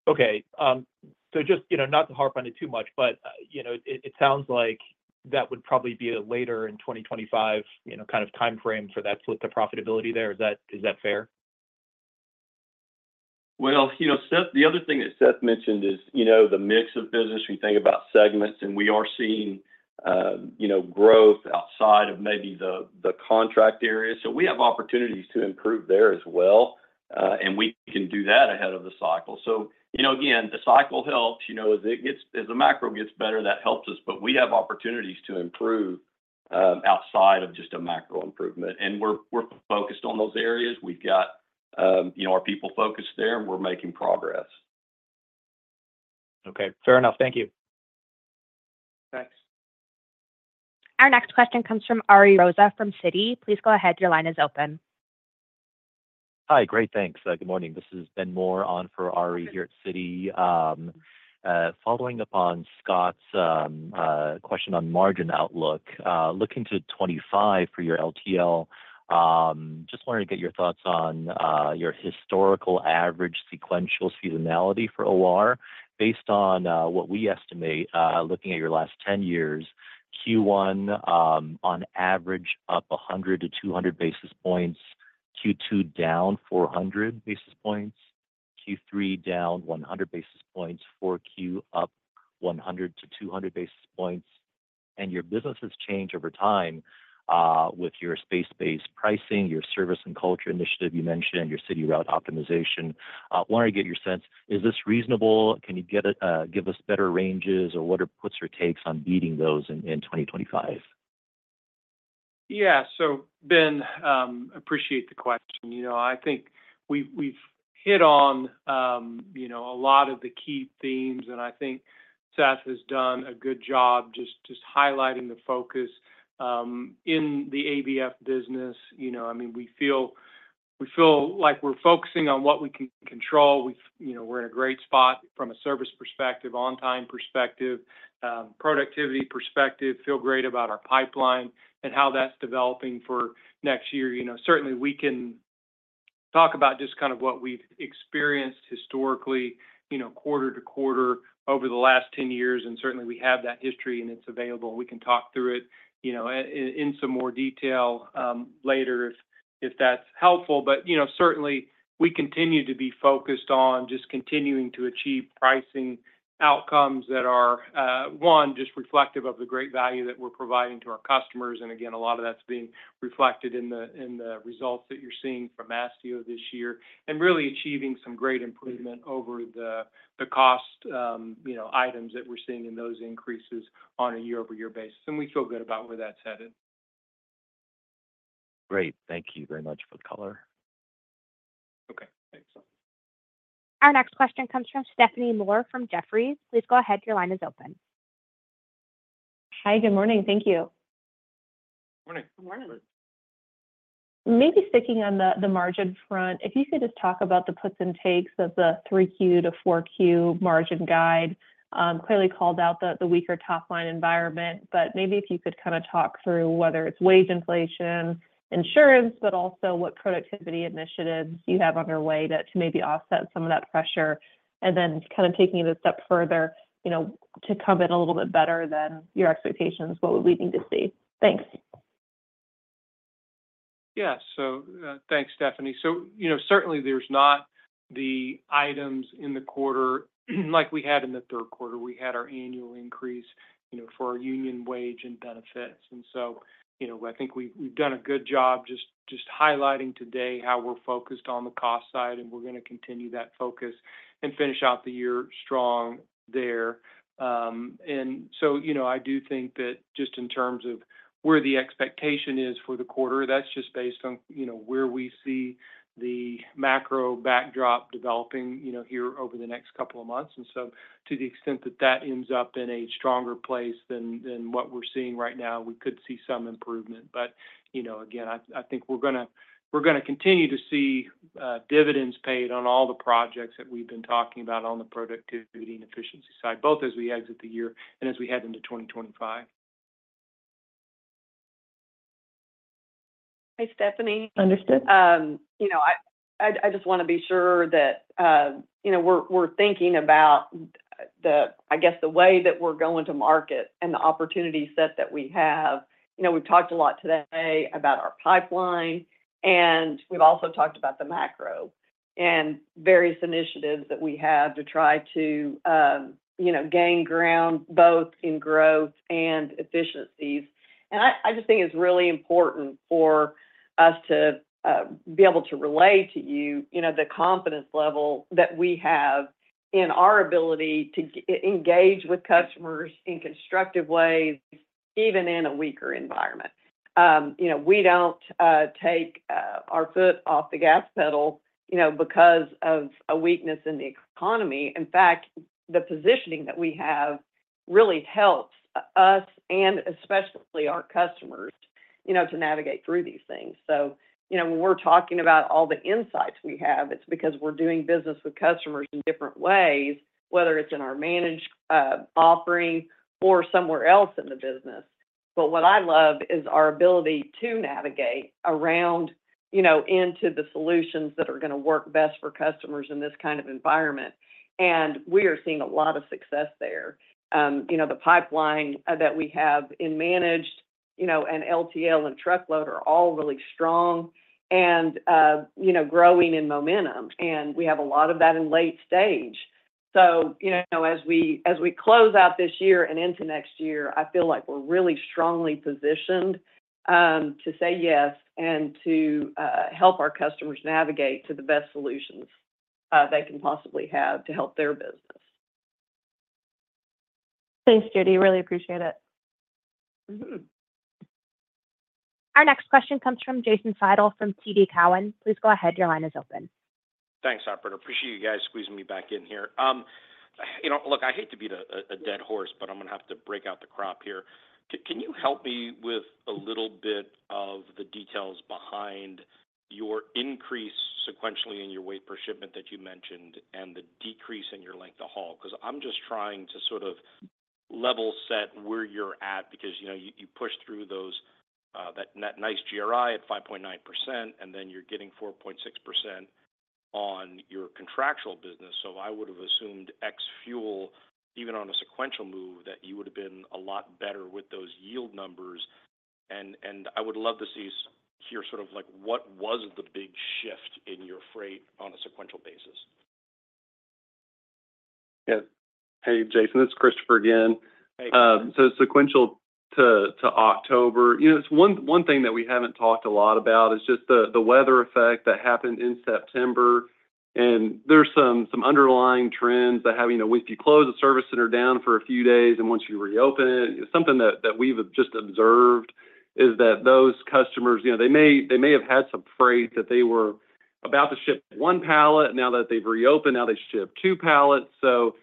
[SPEAKER 20] Okay, so just not to harp on it too much, but it sounds like that would probably be a later in 2025 kind of timeframe for that flip to profitability there. Is that fair?
[SPEAKER 5] So, the other thing that Seth mentioned is the mix of business. We think about segments. We are seeing growth outside of maybe the contract area. We have opportunities to improve there as well. We can do that ahead of the cycle. Again, the cycle helps. As the macro gets better, that helps us. We have opportunities to improve outside of just a macro improvement. We're focused on those areas. We've got our people focused there. We're making progress.
[SPEAKER 20] Okay. Fair enough. Thank you.
[SPEAKER 5] Thanks.
[SPEAKER 1] Our next question comes from Ari Rosa from Citi. Please go ahead. Your line is open.
[SPEAKER 22] Hi. Great. Thanks. Good morning. This is Ben Moore on for Ari here at Citi. Following up on Scott's question on margin outlook, looking to 2025 for your LTL, just wanted to get your thoughts on your historical average sequential seasonality for OR based on what we estimate, looking at your last 10 years, Q1 on average up 100-200 basis points, Q2 down 400 basis points, Q3 down 100 basis points, Q4 up 100-200 basis points. Your business has changed over time with your asset-based pricing, your service and culture initiative you mentioned, your City Route Optimization. Wanted to get your sense. Is this reasonable? Can you give us better ranges? Or what are puts or takes on beating those in 2025?
[SPEAKER 5] Yeah. So Ben, appreciate the question. I think we've hit on a lot of the key themes, and I think Seth has done a good job just highlighting the focus in the ABF business. I mean, we feel like we're focusing on what we can control. We're in a great spot from a service perspective, on-time perspective, productivity perspective. Feel great about our pipeline and how that's developing for next year. Certainly, we can talk about just kind of what we've experienced historically, quarter to quarter over the last 10 years, and certainly we have that history. And it's available. We can talk through it in some more detail later if that's helpful, but certainly we continue to be focused on just continuing to achieve pricing outcomes that are, one, just reflective of the great value that we're providing to our customers. And again, a lot of that's being reflected in the results that you're seeing from Mastio this year and really achieving some great improvement over the cost items that we're seeing in those increases on a year-over-year basis. And we feel good about where that's headed.
[SPEAKER 22] Great. Thank you very much for the color.
[SPEAKER 5] Okay. Thanks.
[SPEAKER 1] Our next question comes from Stephanie Moore from Jefferies. Please go ahead. Your line is open.
[SPEAKER 23] Hi. Good morning. Thank you.
[SPEAKER 5] Morning.
[SPEAKER 23] Good morning. Maybe sticking on the margin front, if you could just talk about the puts and takes of the 3Q to 4Q margin guide. Clearly called out the weaker top-line environment. But maybe if you could kind of talk through whether it's wage inflation, insurance, but also what productivity initiatives you have underway to maybe offset some of that pressure. And then kind of taking it a step further to come in a little bit better than your expectations, what would we need to see? Thanks.
[SPEAKER 5] Yeah. So thanks, Stephanie. So certainly, there's not the items in the quarter like we had in the third quarter. We had our annual increase for our union wage and benefits. And so I think we've done a good job just highlighting today how we're focused on the cost side. And we're going to continue that focus and finish out the year strong there. And so I do think that just in terms of where the expectation is for the quarter, that's just based on where we see the macro backdrop developing here over the next couple of months. And so to the extent that that ends up in a stronger place than what we're seeing right now, we could see some improvement. But again, I think we're going to continue to see dividends paid on all the projects that we've been talking about on the productivity and efficiency side, both as we exit the year and as we head into 2025.
[SPEAKER 17] Hi, Stephanie.
[SPEAKER 23] Understood.
[SPEAKER 17] I just want to be sure that we're thinking about, I guess, the way that we're going to market and the opportunity set that we have. We've talked a lot today about our pipeline. And we've also talked about the macro and various initiatives that we have to try to gain ground both in growth and efficiencies. And I just think it's really important for us to be able to relay to you the confidence level that we have in our ability to engage with customers in constructive ways, even in a weaker environment. We don't take our foot off the gas pedal because of a weakness in the economy. In fact, the positioning that we have really helps us and especially our customers to navigate through these things. So when we're talking about all the insights we have, it's because we're doing business with customers in different ways, whether it's in our managed offering or somewhere else in the business. But what I love is our ability to navigate around into the solutions that are going to work best for customers in this kind of environment. And we are seeing a lot of success there. The pipeline that we have in managed and LTL and truckload are all really strong and growing in momentum. And we have a lot of that in late stage. So as we close out this year and into next year, I feel like we're really strongly positioned to say yes and to help our customers navigate to the best solutions they can possibly have to help their business.
[SPEAKER 23] Thanks, Judy. Really appreciate it.
[SPEAKER 1] Our next question comes from Jason Seidel from TD Cowen. Please go ahead. Your line is open.
[SPEAKER 6] Thanks, operator. Appreciate you guys squeezing me back in here. Look, I hate to beat a dead horse, but I'm going to have to break out the crop here. Can you help me with a little bit of the details behind your increase sequentially in your weight per shipment that you mentioned and the decrease in your length of haul? Because I'm just trying to sort of level set where you're at because you pushed through that nice GRI at 5.9%, and then you're getting 4.6% on your contractual business. So I would have assumed X fuel, even on a sequential move, that you would have been a lot better with those yield numbers. And I would love to hear sort of what was the big shift in your freight on a sequential basis.
[SPEAKER 13] Yeah. Hey, Jason. It's Christopher again. So it's sequential to October. It's one thing that we haven't talked a lot about. It's just the weather effect that happened in September. And there's some underlying trends that have if you close a service center down for a few days and once you reopen it, something that we've just observed is that those customers, they may have had some freight that they were about to ship one pallet. Now that they've reopened, now they ship two pallets. So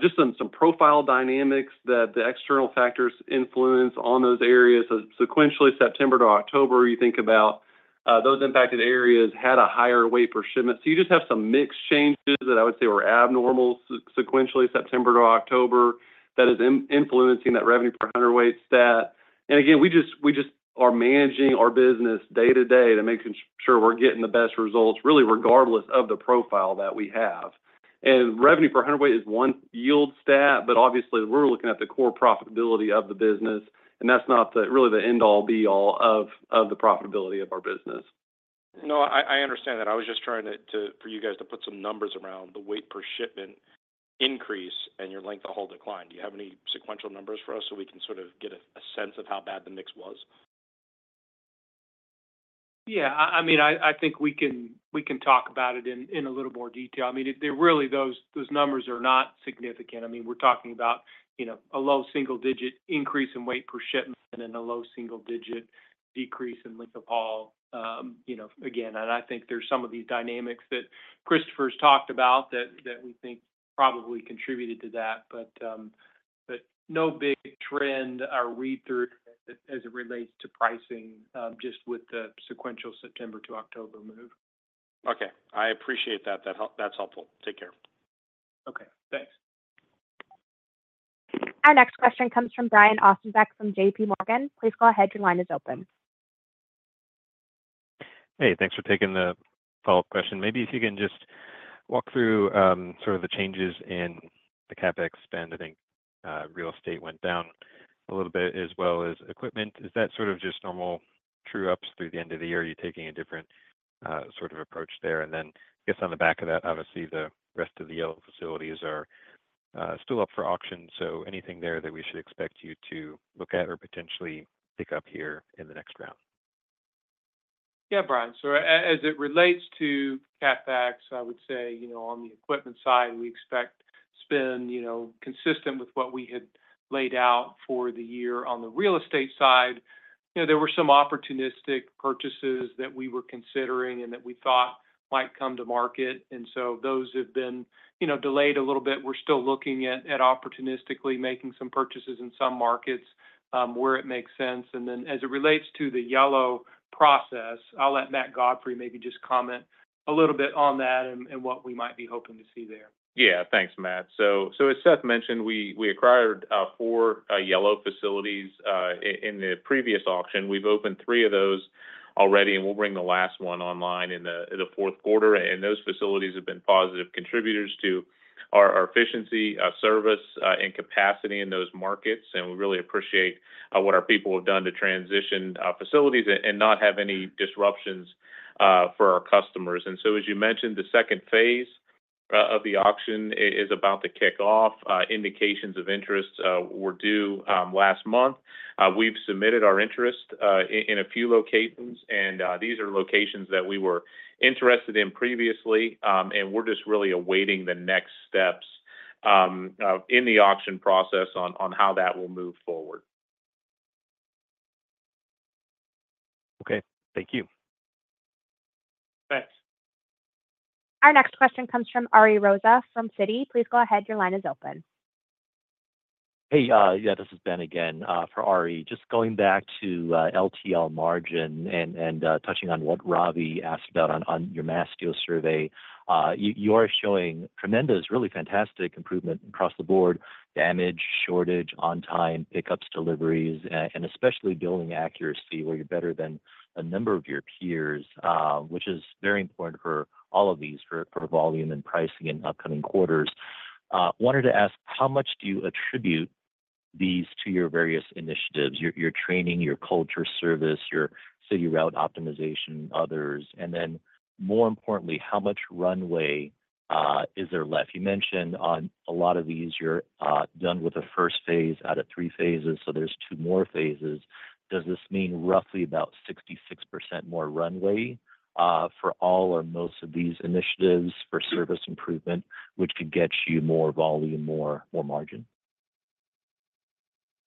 [SPEAKER 13] just some profile dynamics that the external factors influence on those areas. So sequentially, September to October, you think about those impacted areas had a higher weight per shipment. So you just have some mixed changes that I would say were abnormal sequentially September to October that is influencing that revenue per hundredweight stat. And again, we just are managing our business day to day to make sure we're getting the best results really regardless of the profile that we have. And revenue per hundredweight is one yield stat, but obviously, we're looking at the core profitability of the business. And that's not really the end-all, be-all of the profitability of our business.
[SPEAKER 6] No, I understand that. I was just trying to, for you guys, to put some numbers around the weight per shipment increase and your length of haul decline. Do you have any sequential numbers for us so we can sort of get a sense of how bad the mix was?
[SPEAKER 4] Yeah. I mean, I think we can talk about it in a little more detail. I mean, really, those numbers are not significant. I mean, we're talking about a low single-digit increase in weight per shipment and a low single-digit decrease in length of haul. Again, and I think there's some of these dynamics that Christopher has talked about that we think probably contributed to that. But no big trend or read-through as it relates to pricing just with the sequential September to October move.
[SPEAKER 6] Okay. I appreciate that. That's helpful. Take care.
[SPEAKER 4] Okay. Thanks.
[SPEAKER 1] Our next question comes from Brian Ossenbeck from J.P. Morgan. Please go ahead. Your line is open.
[SPEAKER 16] Hey. Thanks for taking the follow-up question. Maybe if you can just walk through sort of the changes in the CapEx spend. I think real estate went down a little bit as well as equipment. Is that sort of just normal true-ups through the end of the year? Are you taking a different sort of approach there? And then I guess on the back of that, obviously, the rest of the Yellow facilities are still up for auction. So anything there that we should expect you to look at or potentially pick up here in the next round?
[SPEAKER 5] Yeah, Brian. So as it relates to CapEx, I would say on the equipment side, we expect spend consistent with what we had laid out for the year. On the real estate side, there were some opportunistic purchases that we were considering and that we thought might come to market. And so those have been delayed a little bit. We're still looking at opportunistically making some purchases in some markets where it makes sense. And then as it relates to the Yellow process, I'll let Matt Godfrey maybe just comment a little bit on that and what we might be hoping to see there.
[SPEAKER 9] Yeah. Thanks, Matt. So as Seth mentioned, we acquired four Yellow facilities in the previous auction. We've opened three of those already. And we'll bring the last one online in the fourth quarter. And those facilities have been positive contributors to our efficiency, service, and capacity in those markets. And we really appreciate what our people have done to transition facilities and not have any disruptions for our customers. And so as you mentioned, the second phase of the auction is about to kick off. Indications of interest were due last month. We've submitted our interest in a few locations. And these are locations that we were interested in previously. And we're just really awaiting the next steps in the auction process on how that will move forward.
[SPEAKER 16] Okay. Thank you.
[SPEAKER 5] Thanks.
[SPEAKER 1] Our next question comes from Ari Rosa from Citi. Please go ahead. Your line is open.
[SPEAKER 22] Hey. Yeah. This is Ben again for Ari. Just going back to LTL margin and touching on what Ravi asked about on your Mastio survey, you are showing tremendous, really fantastic improvement across the board: damage, shortage, on-time, pickups, deliveries, and especially billing accuracy where you're better than a number of your peers, which is very important for all of these for volume and pricing in upcoming quarters. I wanted to ask, how much do you attribute these to your various initiatives: your training, your customer service, your City Route Optimization, others? And then more importantly, how much runway is there left? You mentioned on a lot of these, you're done with a first phase out of three phases. So there's two more phases. Does this mean roughly about 66% more runway for all or most of these initiatives for service improvement, which could get you more volume, more margin?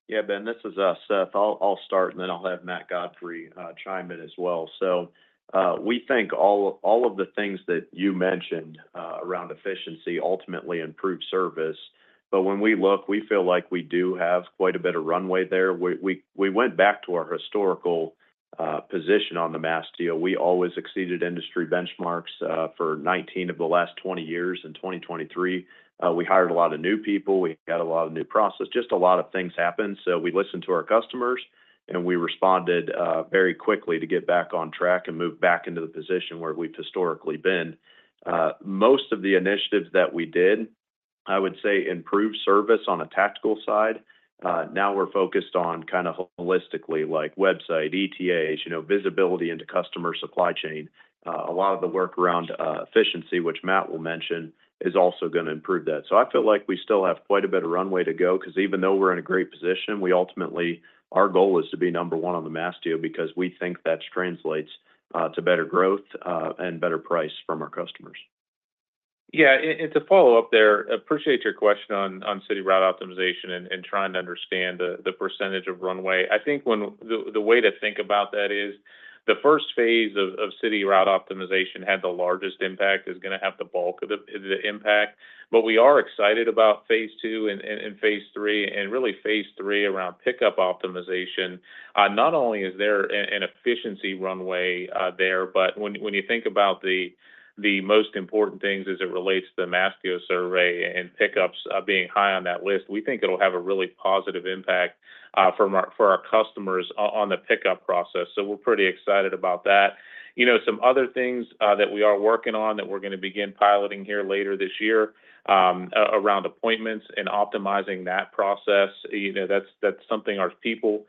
[SPEAKER 4] Yeah, Ben, this is Seth. I'll start, and then I'll have Matt Godfrey chime in as well. So we think all of the things that you mentioned around efficiency ultimately improve service. But when we look, we feel like we do have quite a bit of runway there. We went back to our historical position on the Mastio. We always exceeded industry benchmarks for 19 of the last 20 years. In 2023, we hired a lot of new people. We had a lot of new process. Just a lot of things happened. So we listened to our customers, and we responded very quickly to get back on track and move back into the position where we've historically been. Most of the initiatives that we did, I would say, improved service on a tactical side. Now we're focused on kind of holistically, like website, ETAs, visibility into customer supply chain. A lot of the work around efficiency, which Matt will mention, is also going to improve that. So I feel like we still have quite a bit of runway to go because even though we're in a great position, ultimately, our goal is to be number one on the Mastio because we think that translates to better growth and better price from our customers.
[SPEAKER 9] Yeah. And to follow up there, I appreciate your question on City Route Optimization and trying to understand the percentage of runway. I think the way to think about that is the first phase of City Route Optimization had the largest impact is going to have the bulk of the impact. But we are excited about Phase II and Phase III, and really Phase III around Pickup Optimization Not only is there an efficiency runway there, but when you think about the most important things as it relates to the Mastio survey and pickups being high on that list, we think it'll have a really positive impact for our customers on the pickup process, so we're pretty excited about that. Some other things that we are working on that we're going to begin piloting here later this year around appointments and optimizing that process, that's something our people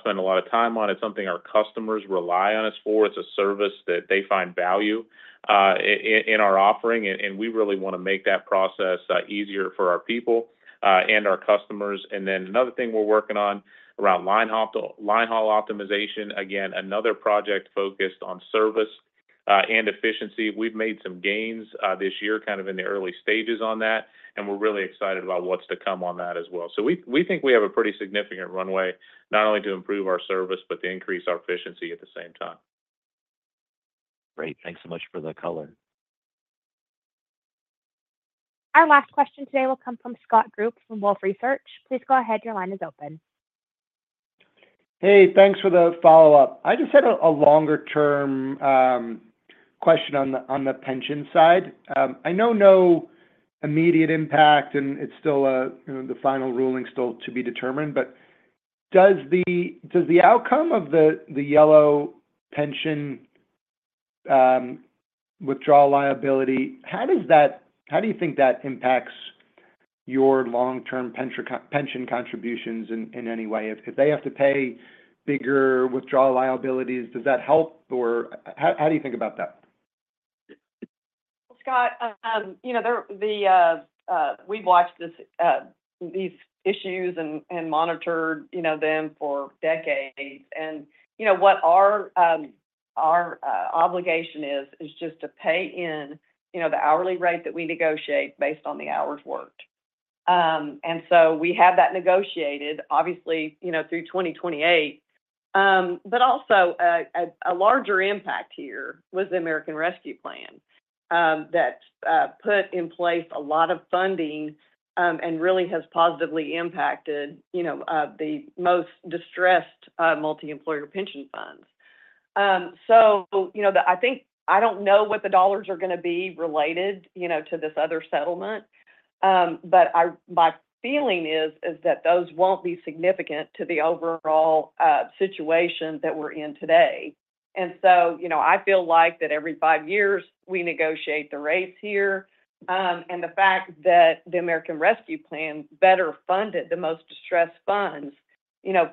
[SPEAKER 9] spend a lot of time on. It's something our customers rely on us for. It's a service that they find value in our offering, and we really want to make that process easier for our people and our customers, and then another thing we're working on around Linehaul Optimization, again, another project focused on service and efficiency. We've made some gains this year kind of in the early stages on that, and we're really excited about what's to come on that as well, so we think we have a pretty significant runway not only to improve our service but to increase our efficiency at the same time.
[SPEAKER 22] Great. Thanks so much for the color.
[SPEAKER 1] Our last question today will come from Scott Group from Wolfe Research. Please go ahead. Your line is open.
[SPEAKER 19] Hey, thanks for the follow-up. I just had a longer-term question on the pension side. I know no immediate impact, and it's still the final ruling to be determined. But does the outcome of the Yellow pension withdrawal liability, how do you think that impacts your long-term pension contributions in any way? If they have to pay bigger withdrawal liabilities, does that help? Or how do you think about that?
[SPEAKER 17] Scott, we've watched these issues and monitored them for decades. What our obligation is, is just to pay in the hourly rate that we negotiate based on the hours worked. We have that negotiated, obviously, through 2028. Also, a larger impact here was the American Rescue Plan that put in place a lot of funding and really has positively impacted the most distressed multi-employer pension funds. I don't know what the dollars are going to be related to this other settlement. My feeling is that those won't be significant to the overall situation that we're in today. I feel like that every five years, we negotiate the rates here. The fact that the American Rescue Plan better funded the most distressed funds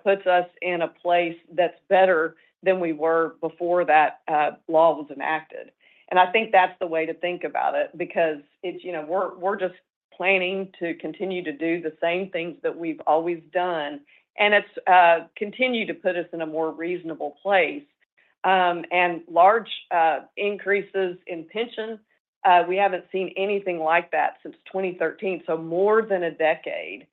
[SPEAKER 17] puts us in a place that's better than we were before that law was enacted. I think that's the way to think about it because we're just planning to continue to do the same things that we've always done. It's continued to put us in a more reasonable place. Large increases in pension, we haven't seen anything like that since 2013. More than a decade,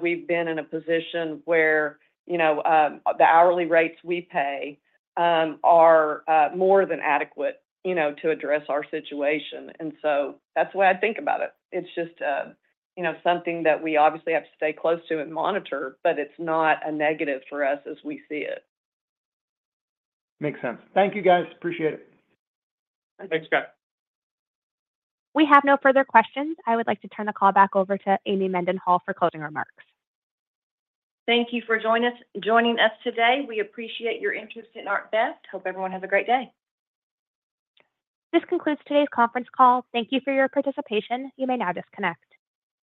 [SPEAKER 17] we've been in a position where the hourly rates we pay are more than adequate to address our situation. That's the way I think about it. It's just something that we obviously have to stay close to and monitor, but it's not a negative for us as we see it.
[SPEAKER 19] Makes sense. Thank you, guys. Appreciate it.
[SPEAKER 5] Thanks, Scott.
[SPEAKER 1] We have no further questions. I would like to turn the call back over to Amy Mendenhall for closing remarks.
[SPEAKER 24] Thank you for joining us today. We appreciate your interest in ArcBest. Hope everyone has a great day.
[SPEAKER 1] This concludes today's conference call. Thank you for your participation. You may now disconnect.